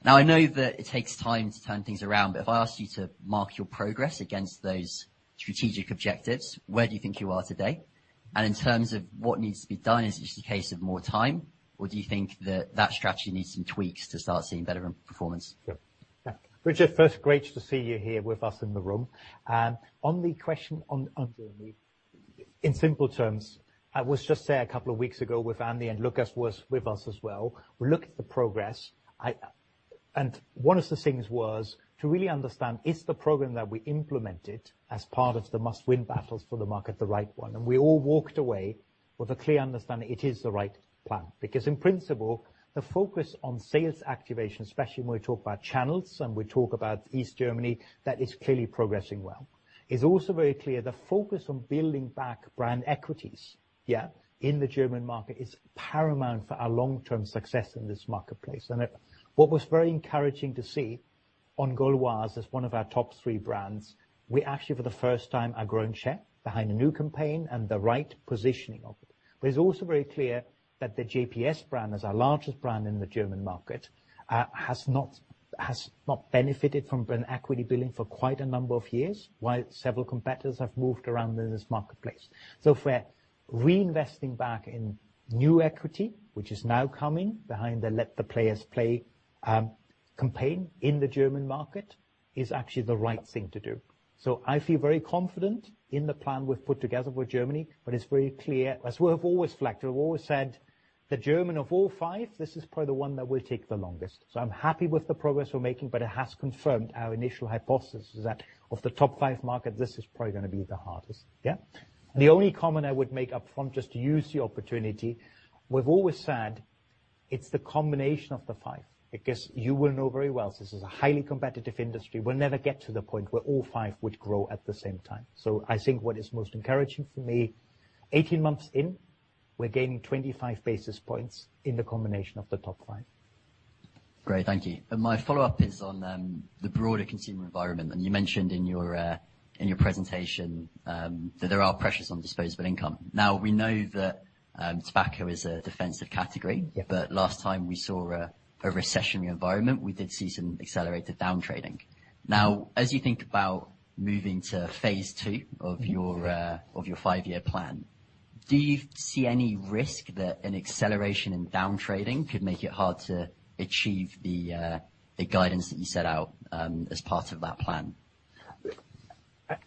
Now, I know that it takes time to turn things around, but if I asked you to mark your progress against those strategic objectives, where do you think you are today? In terms of what needs to be done, is it just a case of more time, or do you think that strategy needs some tweaks to start seeing better performance? Yeah. Richard, first, great to see you here with us in the room. On the question on Germany, in simple terms, I was just there a couple of weeks ago with Andy, and Lukas was with us as well. We looked at the progress. One of the things was to really understand, is the program that we implemented as part of the must-win battles for the market, the right one? We all walked away with a clear understanding it is the right plan. Because in principle, the focus on sales activation, especially when we talk about channels and we talk about East Germany, that is clearly progressing well. It's also very clear the focus on building back brand equities, yeah, in the German market is paramount for our long-term success in this marketplace. What was very encouraging to see on Gauloises as one of our top three brands, we actually, for the first time, are growing share behind a new campaign and the right positioning of it. It's also very clear that the JPS brand, as our largest brand in the German market, has not benefited from brand equity building for quite a number of years, while several competitors have moved around in this marketplace. If we're reinvesting back in new equity, which is now coming behind the Let The Players Play campaign in the German market, is actually the right thing to do. I feel very confident in the plan we've put together for Germany. It's very clear, as we have always flagged, we've always said that Germany, of all five, this is probably the one that will take the longest. I'm happy with the progress we're making, but it has confirmed our initial hypothesis is that of the top five markets, this is probably gonna be the hardest. Yeah? The only comment I would make up front, just to use the opportunity, we've always said it's the combination of the five because you will know very well, this is a highly competitive industry. We'll never get to the point where all five would grow at the same time. I think what is most encouraging for me, eighteen months in, we're gaining 25 basis points in the combination of the top five. Great. Thank you. My follow-up is on the broader consumer environment. You mentioned in your presentation that there are pressures on disposable income. Now, we know that tobacco is a defensive category. Yeah. Last time we saw a recessionary environment, we did see some accelerated down trading. Now, as you think about moving to phase two of your- Mm-hmm. Of your five-year plan, do you see any risk that an acceleration in down trading could make it hard to achieve the guidance that you set out, as part of that plan?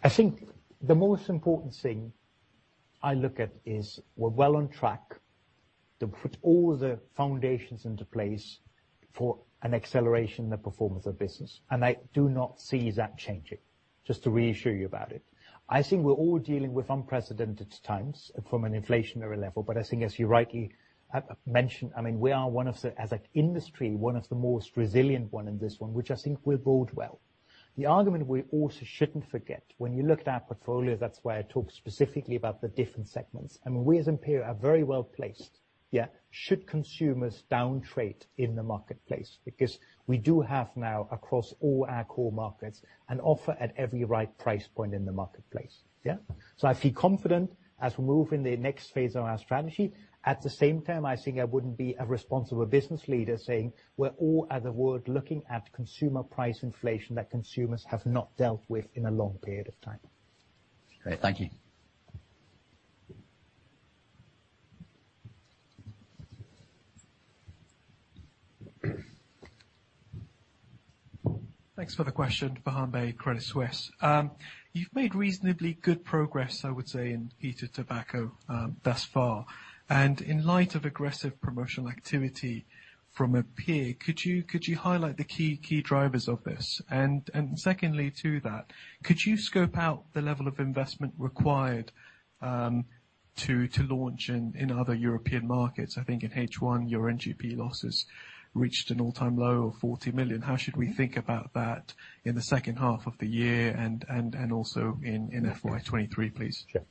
I think the most important thing I look at is we're well on track to put all the foundations into place for an acceleration in the performance of business, and I do not see that changing. Just to reassure you about it. I think we're all dealing with unprecedented times from an inflationary level, but I think as you rightly mentioned, I mean, we are one of the. As an industry, one of the most resilient one in this one, which I think we're holding well. The argument we also shouldn't forget, when you look at our portfolio, that's why I talk specifically about the different segments, and we as Imperial are very well placed, yeah, should consumers downtrade in the marketplace. Because we do have now across all our core markets an offer at every right price point in the marketplace, yeah? I feel confident as we move in the next phase of our strategy. At the same time, I think I wouldn't be a responsible business leader saying we're all at the world looking at consumer price inflation that consumers have not dealt with in a long period of time. Great. Thank you. Thanks for the question. Gaurav Jain, Credit Suisse. You've made reasonably good progress, I would say, in heated tobacco thus far. In light of aggressive promotional activity from a peer, could you highlight the key drivers of this? Secondly to that, could you scope out the level of investment required to launch in other European markets? I think in H1, your NGP losses reached an all-time low of 40 million. How should we think about that in the second half of the year and also in FY 2023, please? Sure.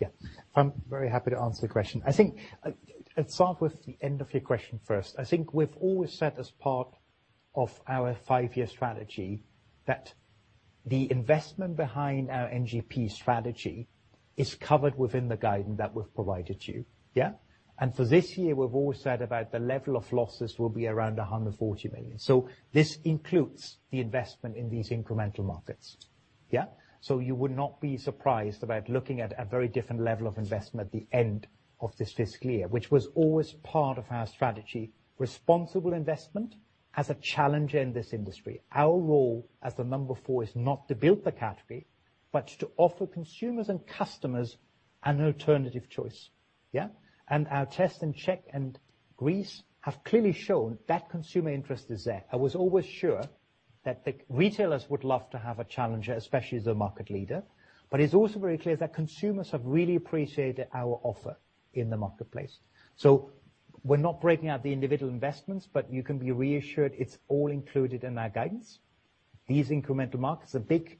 Yeah. I'm very happy to answer the question. I think, let's start with the end of your question first. I think we've always said as part of our five-year strategy that the investment behind our NGP strategy is covered within the guidance that we've provided to you, yeah? For this year, we've always said about the level of losses will be around 140 million. This includes the investment in these incremental markets, yeah? You would not be surprised about looking at a very different level of investment at the end of this fiscal year, which was always part of our strategy. Responsible investment has a challenger in this industry. Our role as the number four is not to build the category, but to offer consumers and customers an alternative choice, yeah? Our tests in Czech and Greece have clearly shown that consumer interest is there. I was always sure that the retailers would love to have a challenger, especially the market leader, but it's also very clear that consumers have really appreciated our offer in the marketplace. We're not breaking out the individual investments, but you can be reassured it's all included in our guidance. These incremental markets, the big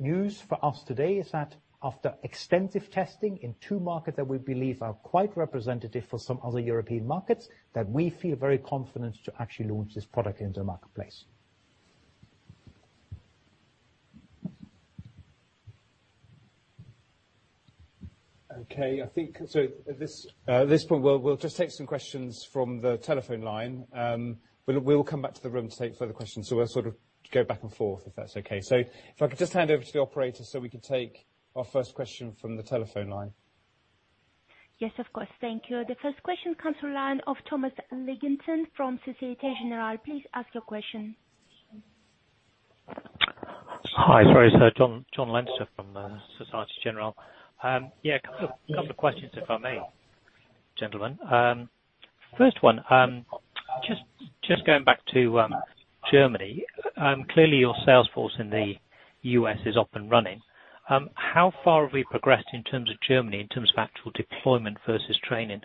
news for us today is that after extensive testing in two markets that we believe are quite representative for some other European markets, that we feel very confident to actually launch this product into the marketplace. Okay. I think so at this point, we'll just take some questions from the telephone line, but we'll come back to the room to take further questions. We'll sort of go back and forth, if that's okay. If I could just hand over to the operator, so we can take our first question from the telephone line. Yes, of course. Thank you. The first question comes from the line of Jon Leinster from Société Générale. Please ask your question. Hi. Sorry, sir. Jon Leinster from Société Générale. Yeah, a couple of questions, if I may, gentlemen. First one, just going back to Germany. Clearly your sales force in the U.S. is up and running. How far have we progressed in terms of Germany, in terms of actual deployment versus training?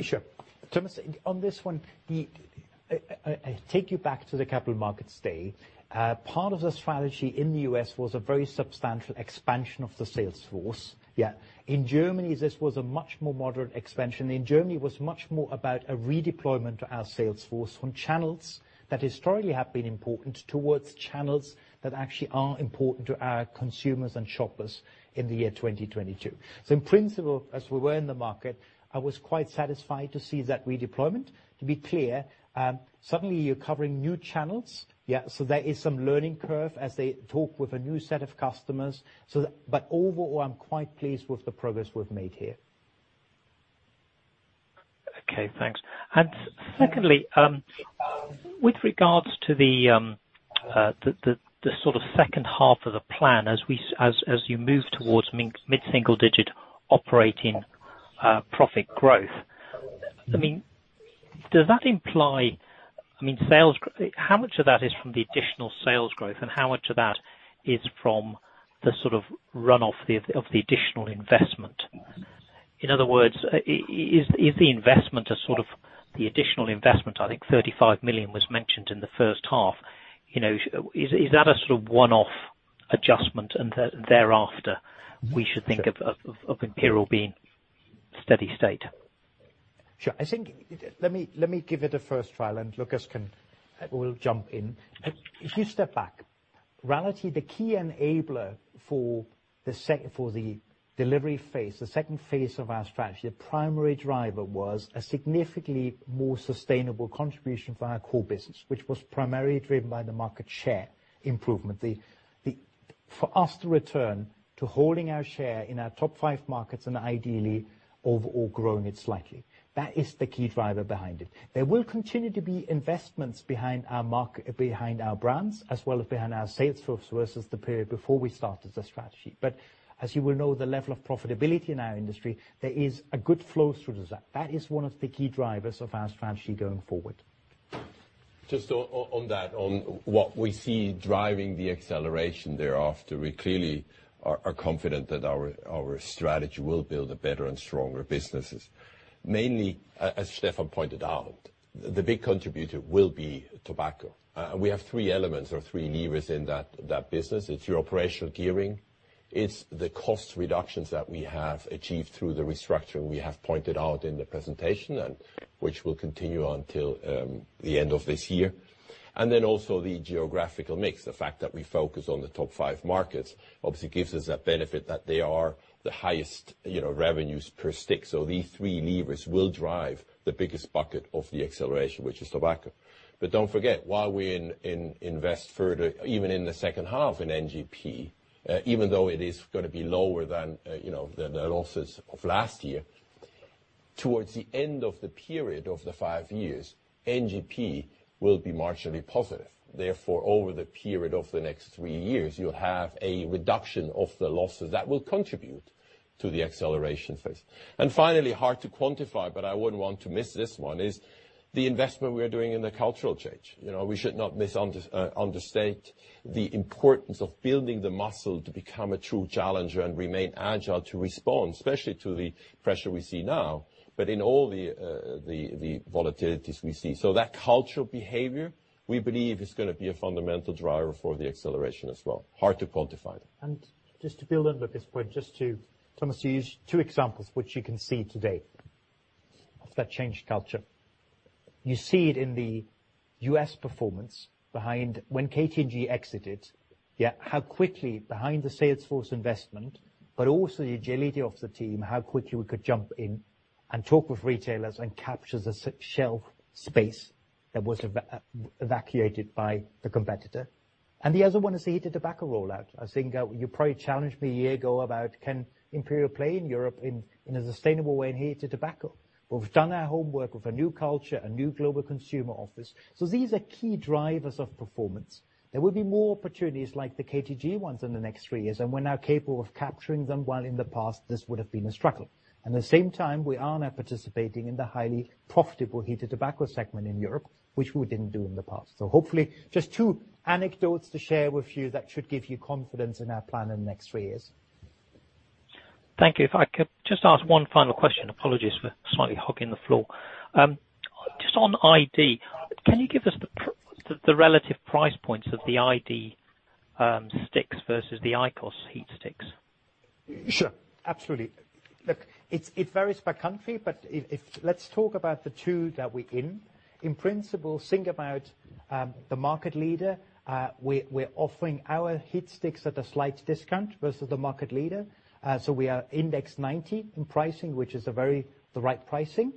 Sure. Stefan Bomhard, on this one, I take you back to the capital markets day. Part of the strategy in the U.S. was a very substantial expansion of the sales force, yeah. In Germany, this was a much more moderate expansion. In Germany, it was much more about a redeployment to our sales force from channels that historically have been important towards channels that actually are important to our consumers and shoppers in the year 2022. In principle, as we were in the market, I was quite satisfied to see that redeployment. To be clear, suddenly you're covering new channels, yeah, so there is some learning curve as they talk with a new set of customers. Overall, I'm quite pleased with the progress we've made here. Okay, thanks. Secondly, with regards to the sort of second half of the plan as you move towards mid single digit operating profit growth, I mean, does that imply sales? How much of that is from the additional sales growth and how much of that is from the sort of run off of the additional investment? In other words, is the investment a sort of the additional investment, I think 35 million was mentioned in the first half. You know, is that a sort of one-off adjustment and thereafter we should think of Imperial being steady state? Sure. I think let me give it a first try and Lukas can will jump in. If you step back in reality, the key enabler for the delivery phase, the second phase of our strategy, the primary driver was a significantly more sustainable contribution from our core business, which was primarily driven by the market share improvement. For us to return to holding our share in our top five markets and ideally overall growing it slightly. That is the key driver behind it. There will continue to be investments behind our brands as well as behind our sales force versus the period before we started the strategy. As you will know, the level of profitability in our industry, there is a good flow through the Just on that, what we see driving the acceleration thereafter, we clearly are confident that our strategy will build a better and stronger businesses. Mainly, as Stefan pointed out, the big contributor will be tobacco. We have three elements or three levers in that business. It's our operational gearing, it's the cost reductions that we have achieved through the restructuring we have pointed out in the presentation and which will continue on till the end of this year, and then also the geographical mix. The fact that we focus on the top five markets obviously gives us a benefit that they are the highest, you know, revenues per stick. These three levers will drive the biggest bucket of the acceleration, which is tobacco. Don't forget, while we invest further, even in the second half in NGP, even though it is gonna be lower than the losses of last year, towards the end of the period of the five years, NGP will be marginally positive. Therefore, over the period of the next three years, you'll have a reduction of the losses that will contribute to the acceleration phase. Finally, hard to quantify, but I wouldn't want to miss this one, is the investment we are doing in the cultural change. You know, we should not understate the importance of building the muscle to become a true challenger and remain agile to respond, especially to the pressure we see now, but in all the volatilities we see. That cultural behavior, we believe is gonna be a fundamental driver for the acceleration as well. Hard to quantify. Just to build on that point, just to Stefan Bomhard's two examples which you can see today of that changed culture. You see it in the U.S. performance behind when KT&G exited. How quickly behind the sales force investment, but also the agility of the team, how quickly we could jump in and talk with retailers and capture the shelf space that was evacuated by the competitor. The other one is the heated tobacco rollout. I think you probably challenged me a year ago about can Imperial play in Europe in a sustainable way in heated tobacco. Well, we've done our homework with a new culture, a new global consumer office. These are key drivers of performance. There will be more opportunities like the KT&G ones in the next three years, and we're now capable of capturing them, while in the past this would have been a struggle. At the same time, we are now participating in the highly profitable heated tobacco segment in Europe, which we didn't do in the past. Hopefully, just two anecdotes to share with you that should give you confidence in our plan in the next three years. Thank you. If I could just ask one final question. Apologies for slightly hogging the floor. Just on iD, can you give us the relative price points of the iD sticks versus the IQOS heat sticks? Sure. Absolutely. Look, it varies by country. Let's talk about the two that we're in. In principle, think about the market leader. We're offering our heat sticks at a slight discount versus the market leader. We are index 90 in pricing, which is very tight pricing.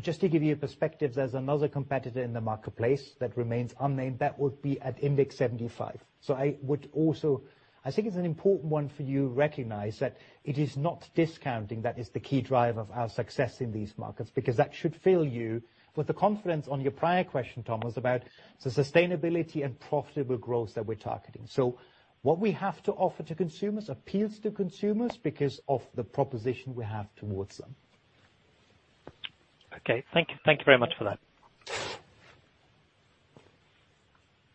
Just to give you a perspective, there's another competitor in the marketplace that remains unnamed that would be at index 75. I would also think it's an important point for you to recognize that it is not discounting that is the key driver of our success in these markets, because that should fill you with confidence on your prior question, Thomas, about the sustainability and profitable growth that we're targeting. What we have to offer to consumers appeals to consumers because of the proposition we have towards them. Okay. Thank you very much for that.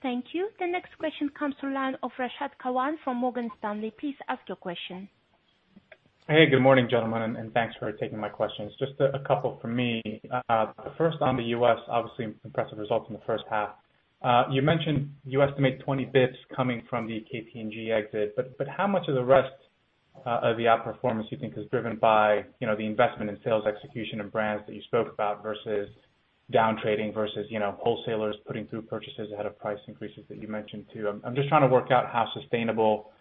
Thank you. The next question comes from line of Rashad Kawan from Morgan Stanley. Please ask your question. Hey, good morning, gentlemen, and thanks for taking my questions. Just a couple from me. First on the U.S., obviously impressive results in the first half. You mentioned you estimate 20 basis points coming from the KT&G exit, but how much of the rest of the outperformance you think is driven by, you know, the investment in sales execution and brands that you spoke about versus down trading, versus, you know, wholesalers putting through purchases ahead of price increases that you mentioned, too? I'm just trying to work out how sustainable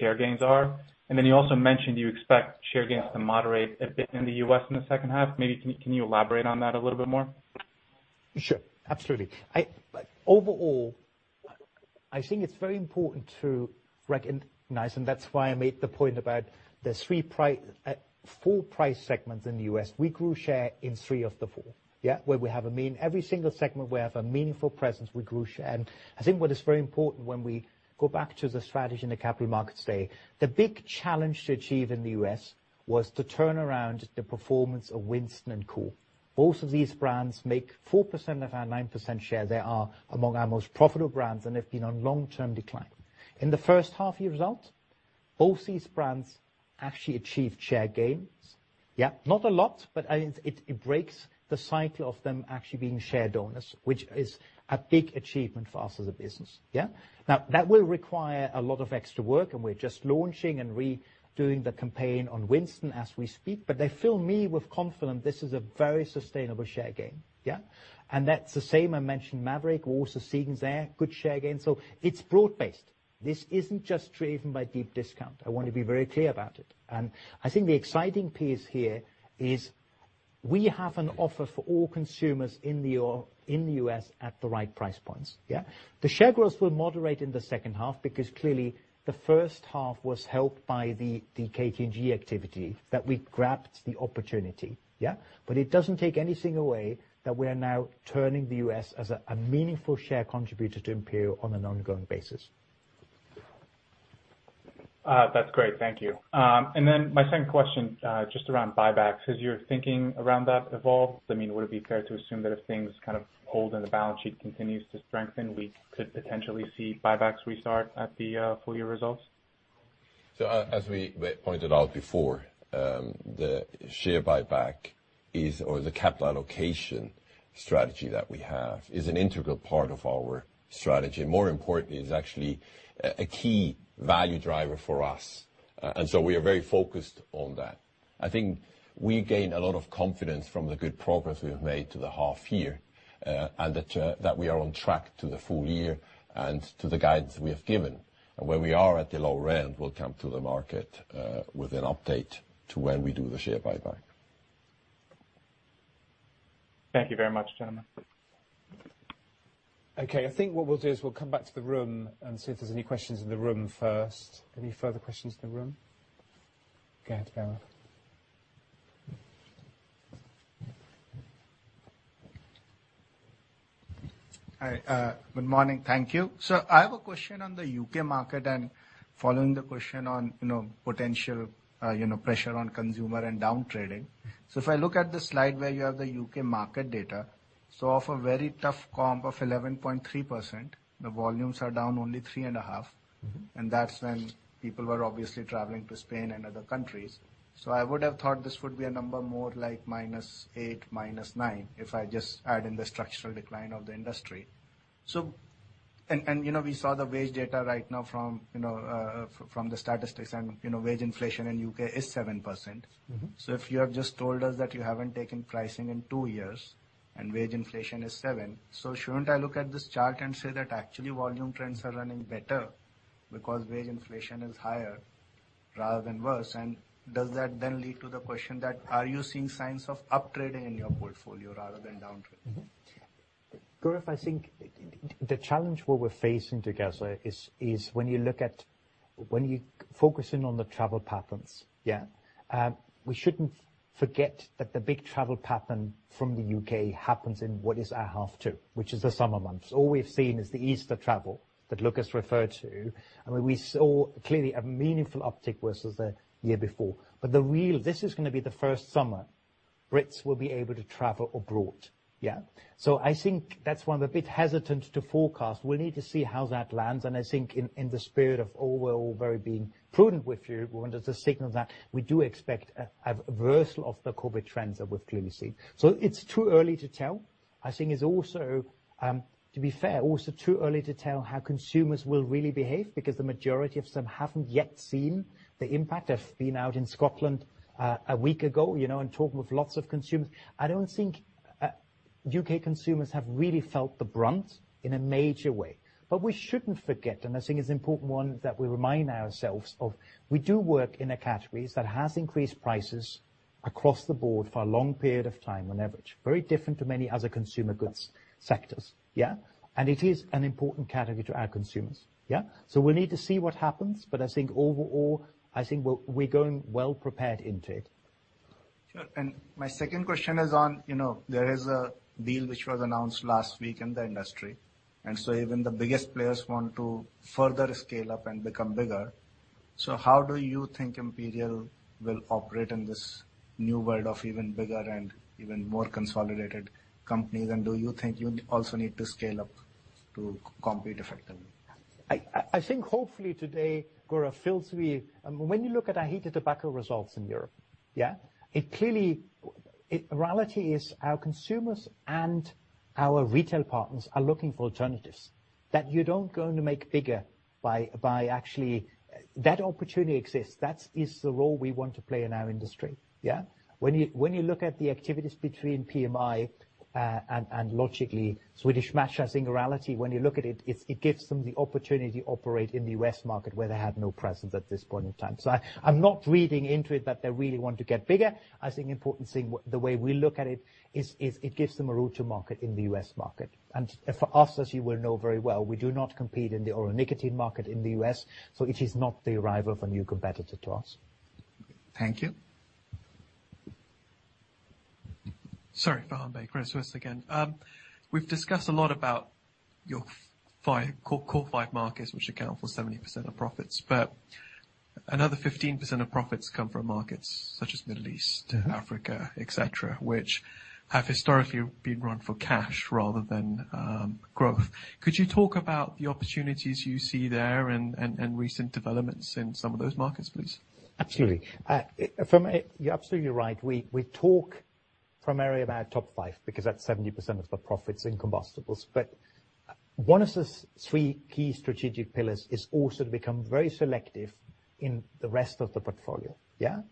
their gains are. Then you also mentioned you expect share gains to moderate a bit in the U.S. in the second half. Maybe you can elaborate on that a little bit more? Sure. Absolutely. Overall, I think it's very important to recognize, and that's why I made the point about the four price segments in the U.S. We grew share in three of the four, yeah. Every single segment we have a meaningful presence, we grew share. I think what is very important when we go back to the strategy in the capital markets day, the big challenge to achieve in the U.S. was to turn around the performance of Winston and Kool. Both of these brands make 4% of our 9% share. They are among our most profitable brands, and they've been on long-term decline. In the first half year result, both these brands actually achieved share gains. Yeah. Not a lot, but I think it breaks the cycle of them actually being shared owners, which is a big achievement for us as a business, yeah? That will require a lot of extra work, and we're just launching and redoing the campaign on Winston as we speak. They fill me with confidence this is a very sustainable share gain, yeah? That's the same. I mentioned Maverick. We're also seeing good share gains there. It's broad-based. This isn't just driven by deep discount. I want to be very clear about it. I think the exciting piece here is we have an offer for all consumers in the U.S. at the right price points, yeah? The share growth will moderate in the second half because clearly the first half was helped by the KT&G activity that we grabbed the opportunity. Yeah. It doesn't take anything away that we are now turning the U.S. as a meaningful share contributor to Imperial on an ongoing basis. That's great, thank you. My second question, just around buybacks. Has your thinking around that evolved? I mean, would it be fair to assume that if things kind of hold and the balance sheet continues to strengthen, we could potentially see buybacks restart at the full year results? As we pointed out before, the share buyback is or the capital allocation strategy that we have is an integral part of our strategy. More importantly, is actually a key value driver for us. We are very focused on that. I think we gain a lot of confidence from the good progress we have made to the half year, and that we are on track to the full year and to the guidance we have given. When we are at the low end, we'll come to the market with an update to when we do the share buyback. Thank you very much, gentlemen. Okay. I think what we'll do is we'll come back to the room and see if there's any questions in the room first. Any further questions in the room? Go ahead, Gaurav Jain. Hi. Good morning. Thank you. I have a question on the U.K. market and following the question on, you know, potential pressure on consumer and down trading. If I look at the slide where you have the U.K. market data, so off a very tough comp of 11.3%, the volumes are down only three and half. Mm-hmm. That's when people were obviously traveling to Spain and other countries. I would have thought this would be a number more like -8%, -9%, if I just add in the structural decline of the industry. You know, we saw the wage data right now from, you know, from the statistics, and you know, wage inflation in the U.K. is 7%. Mm-hmm. If you have just told us that you haven't taken pricing in two years and wage inflation is 7%, shouldn't I look at this chart and say that actually volume trends are running better because wage inflation is higher rather than worse? Does that then lead to the question that are you seeing signs of up trading in your portfolio rather than down trading? Mm-hmm. Gaurav, I think the challenge what we're facing together is when you focus in on the travel patterns, yeah, we shouldn't forget that the big travel pattern from the U.K. happens in what is our half two, which is the summer months. All we've seen is the Easter travel that Lukas referred to. I mean, we saw clearly a meaningful uptick versus the year before. This is gonna be the first summer Brits will be able to travel abroad, yeah? I think that's why I'm a bit hesitant to forecast. We'll need to see how that lands, and I think in the spirit of overall very being prudent with you, we wanted to signal that we do expect a reversal of the COVID trends that we've clearly seen. It's too early to tell. I think it's also, to be fair, also too early to tell how consumers will really behave, because the majority of them haven't yet seen the impact. I've been out in Scotland, a week ago, you know, and talking with lots of consumers. I don't think, U.K. consumers have really felt the brunt in a major way. We shouldn't forget, and I think it's important, one, that we remind ourselves of, we do work in a categories that has increased prices across the board for a long period of time on average. Very different to many other consumer goods sectors, yeah? It is an important category to our consumers, yeah? We need to see what happens, but I think overall, I think we're going well prepared into it. Sure. My second question is on, you know, there is a deal which was announced last week in the industry, and so even the biggest players want to further scale up and become bigger. How do you think Imperial will operate in this new world of even bigger and even more consolidated companies? Do you think you also need to scale up to compete effectively? I think hopefully today, Gaurav, when you look at our heated tobacco results in Europe, yeah, it clearly. The reality is our consumers and our retail partners are looking for alternatives that you don't go and make bigger by actually. That opportunity exists. That is the role we want to play in our industry, yeah? When you look at the activities between PMI and Swedish Match, I think in reality, when you look at it gives them the opportunity to operate in the U.S. market where they have no presence at this point in time. I'm not reading into it that they really want to get bigger. I think the important thing, the way we look at it is, it gives them a route to market in the U.S. market. For us, as you will know very well, we do not compete in the oral nicotine market in the U.S., so it is not the arrival of a new competitor to us. Thank you. Sorry, Rashad. Chris West again. We've discussed a lot about your five core markets which account for 70% of profits, but another 15% of profits come from markets such as Middle East, Africa, et cetera, which have historically been run for cash rather than growth. Could you talk about the opportunities you see there and recent developments in some of those markets, please? Absolutely. You're absolutely right. We talk primarily about top five because that's 70% of the profits in combustibles. One of the three key strategic pillars is also to become very selective in the rest of the portfolio, yeah,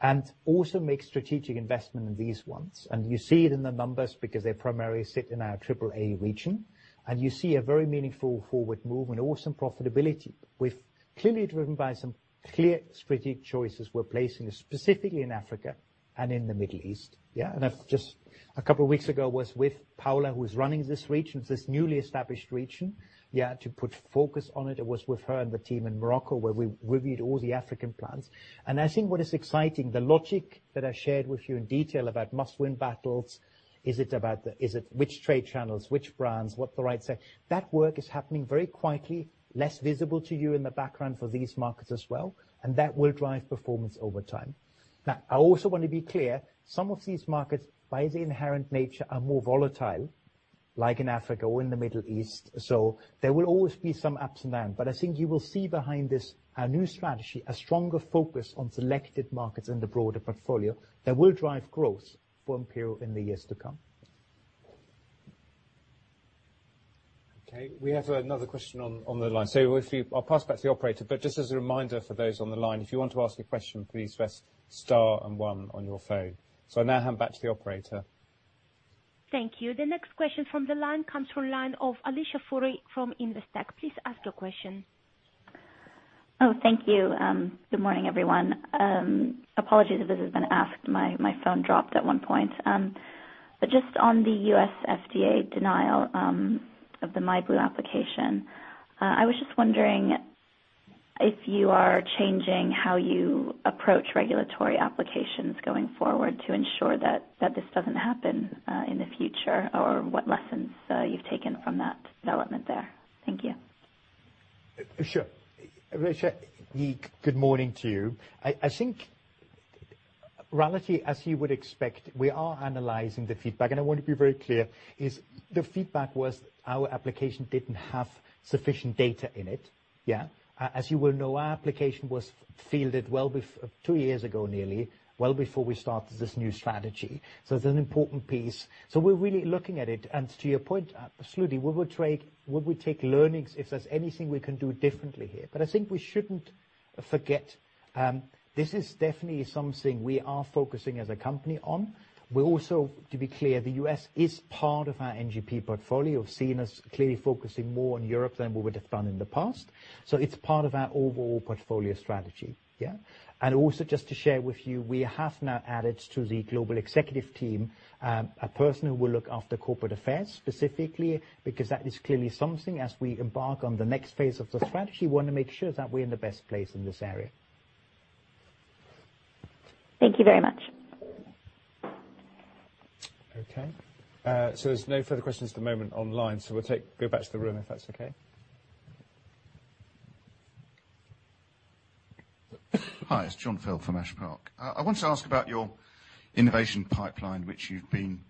and also make strategic investment in these ones. You see it in the numbers because they primarily sit in our AAA region, and you see a very meaningful forward movement, awesome profitability. We've clearly driven by some clear strategic choices we're placing specifically in Africa and in the Middle East, yeah. I've just a couple of weeks ago was with Paula, who is running this region, this newly established region, yeah, to put focus on it. I was with her and the team in Morocco, where we reviewed all the African plans. I think what is exciting, the logic that I shared with you in detail about must-win battles, is about which trade channels, which brands, what the right set. That work is happening very quietly, less visible to you in the background for these markets as well, and that will drive performance over time. Now, I also want to be clear, some of these markets, by their inherent nature, are more volatile. Like in Africa or in the Middle East. So there will always be some ups and downs, but I think you will see behind this, our new strategy, a stronger focus on selected markets and the broader portfolio that will drive growth for Imperial in the years to come. Okay. We have another question on the line. I'll pass back to the operator, but just as a reminder for those on the line, if you want to ask a question, please press star and one on your phone. I'll now hand back to the operator. Thank you. The next question from the line comes from the line of Alicia Forry from Investec. Please ask your question. Oh, thank you. Good morning, everyone. Apologies if this has been asked. My phone dropped at one point. But just on the U.S. FDA denial of the myblu application. I was just wondering if you are changing how you approach regulatory applications going forward to ensure that this doesn't happen in the future, or what lessons you've taken from that development there? Thank you. Sure. Alicia, good morning to you. I think, relatively, as you would expect, we are analyzing the feedback, and I want to be very clear, is the feedback was our application didn't have sufficient data in it, yeah. As you will know, our application was filed two years ago nearly, well before we started this new strategy. It's an important piece. We're really looking at it. To your point, absolutely, we would take learnings if there's anything we can do differently here. I think we shouldn't forget, this is definitely something we are focusing as a company on. We also, to be clear, the U.S. Is part of our NGP portfolio. You've seen us clearly focusing more on Europe than we would have done in the past. It's part of our overall portfolio strategy, yeah. Also, just to share with you, we have now added to the global executive team, a person who will look after corporate affairs specifically, because that is clearly something as we embark on the next phase of the strategy, wanna make sure that we're in the best place in this area. Thank you very much. Okay. There's no further questions at the moment online, so we'll go back to the room, if that's okay. Hi, it's Jonathan Fell from Ash Park Capital. I want to ask about your innovation pipeline, which you've been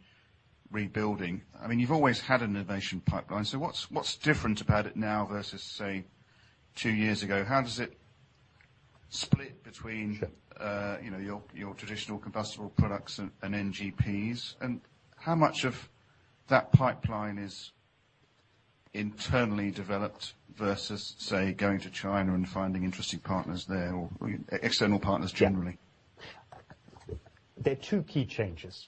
rebuilding. I mean, you've always had an innovation pipeline, so what's different about it now versus, say, two years ago? How does it split between your traditional combustible products and NGPs? And how much of that pipeline is internally developed versus, say, going to China and finding interesting partners there or external partners generally? Yeah. There are two key changes.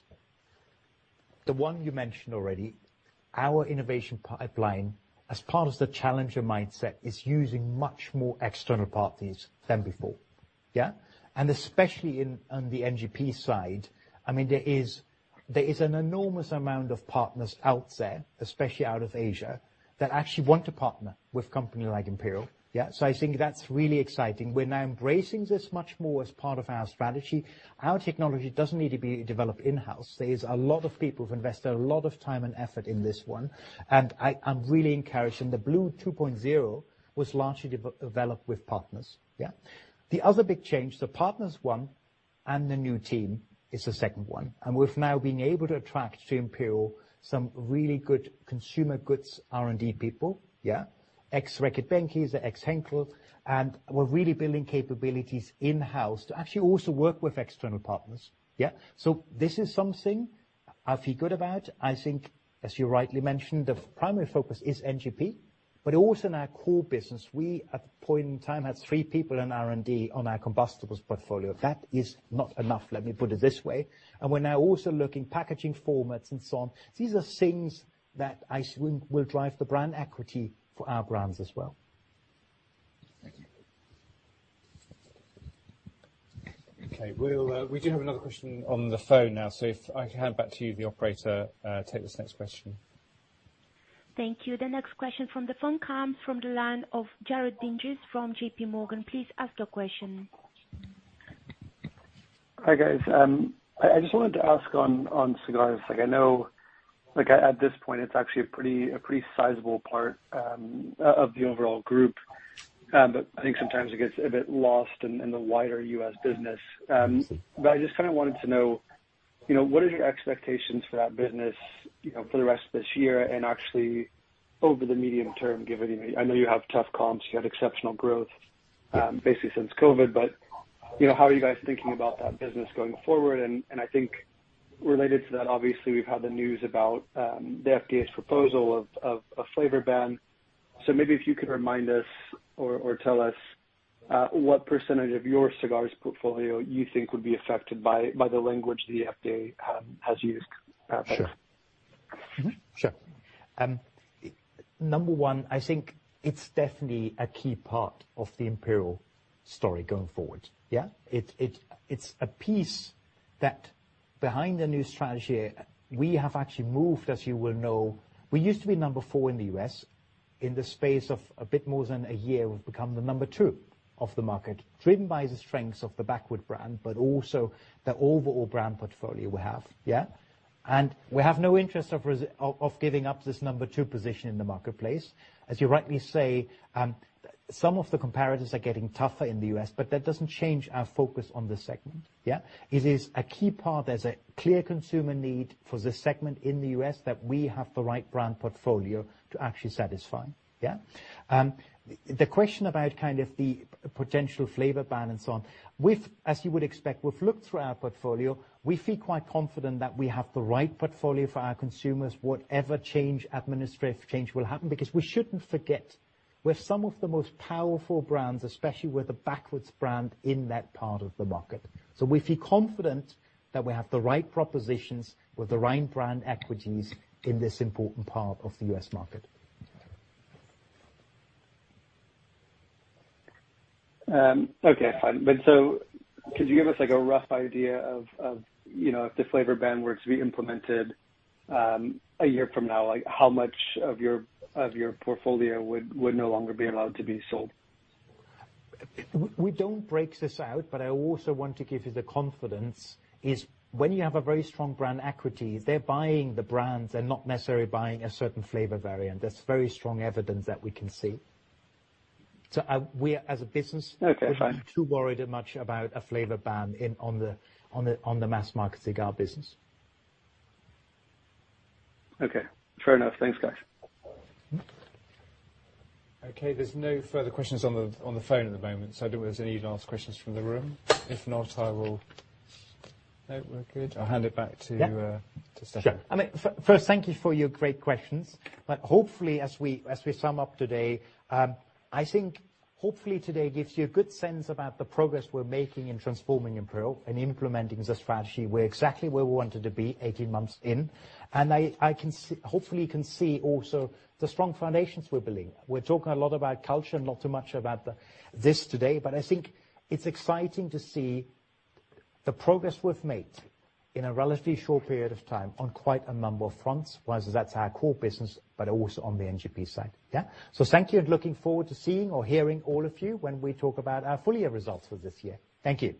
The one you mentioned already, our innovation pipeline, as part of the challenger mindset, is using much more external parties than before, yeah. Especially in, on the NGP side. I mean, there is an enormous amount of partners out there, especially out of Asia, that actually want to partner with company like Imperial, yeah. I think that's really exciting. We're now embracing this much more as part of our strategy. Our technology doesn't need to be developed in-house. There's a lot of people who've invested a lot of time and effort in this one, and I'm really encouraged. The blu 2.0 was largely developed with partners, yeah. The other big change, the partners one and the new team is the second one. We've now been able to attract to Imperial some really good consumer goods R&D people, yeah. Ex-Reckitt Benckiser, ex-Henkel. We're really building capabilities in-house to actually also work with external partners, yeah. This is something I feel good about. I think, as you rightly mentioned, the primary focus is NGP, but also in our core business. We, at the point in time, had three people in R&D on our combustibles portfolio. That is not enough, let me put it this way. We're now also looking packaging formats and so on. These are things that I think will drive the brand equity for our brands as well. Thank you. Okay. We do have another question on the phone now. If I can hand back to you, the operator, take this next question. Thank you. The next question from the phone comes from the line of Jared Dinges from J.P. Morgan. Please ask your question. Hi, guys. I just wanted to ask on cigars. Like, I know, like, at this point, it's actually a pretty sizable part of the overall group. But I think sometimes it gets a bit lost in the wider U.S. business. But I just kinda wanted to know, you know, what is your expectations for that business, you know, for the rest of this year and actually over the medium term, given, you know, I know you have tough comps, you had exceptional growth, basically since COVID, but, you know, how are you guys thinking about that business going forward? I think related to that, obviously, we've had the news about the FDA's proposal of a flavor ban. Maybe if you could remind us or tell us what percentage of your cigars portfolio you think would be affected by the language the FDA has used? Sure. Number one, I think it's definitely a key part of the Imperial story going forward, yeah. It's a piece that behind the new strategy, we have actually moved, as you will know. We used to be number four in the U.S. In the space of a bit more than a year, we've become the number two of the market, driven by the strengths of the Backwoods brand, but also the overall brand portfolio we have, yeah. We have no interest of giving up this number two position in the marketplace. As you rightly say, some of the comparatives are getting tougher in the U.S., but that doesn't change our focus on the segment, yeah? It is a key part. There's a clear consumer need for this segment in the U.S. that we have the right brand portfolio to actually satisfy, yeah? The question about kind of the potential flavor ban and so on, as you would expect, we've looked through our portfolio. We feel quite confident that we have the right portfolio for our consumers, whatever change, administrative change will happen, because we shouldn't forget, we have some of the most powerful brands, especially with the Backwoods brand, in that part of the market. We feel confident that we have the right propositions with the right brand equities in this important part of the U.S. market. Okay, fine. Could you give us, like, a rough idea of you know, if the flavor ban were to be implemented, a year from now, like how much of your portfolio would no longer be allowed to be sold? We don't break this out, but I also want to give you the confidence is when you have a very strong brand equity, they're buying the brands and not necessarily buying a certain flavor variant. There's very strong evidence that we can see. We as a business- Okay, fine. We're not too worried much about a flavor ban on the mass market cigar business. Okay, fair enough. Thanks, guys. Mm-hmm. Okay, there's no further questions on the phone at the moment, so I don't know if there's any last questions from the room. If not, I will. No, we're good. I'll hand it back to. Yeah. To Stefan. Sure. I mean, first thank you for your great questions. Hopefully, as we sum up today, I think hopefully today gives you a good sense about the progress we're making in transforming Imperial and implementing the strategy. We're exactly where we wanted to be 18 months in, and I can see, hopefully, you can see also the strong foundations we're building. We're talking a lot about culture, not so much about this today, but I think it's exciting to see the progress we've made in a relatively short period of time on quite a number of fronts, whether that's our core business, but also on the NGP side. Yeah. Thank you and looking forward to seeing or hearing all of you when we talk about our full year results for this year. Thank you.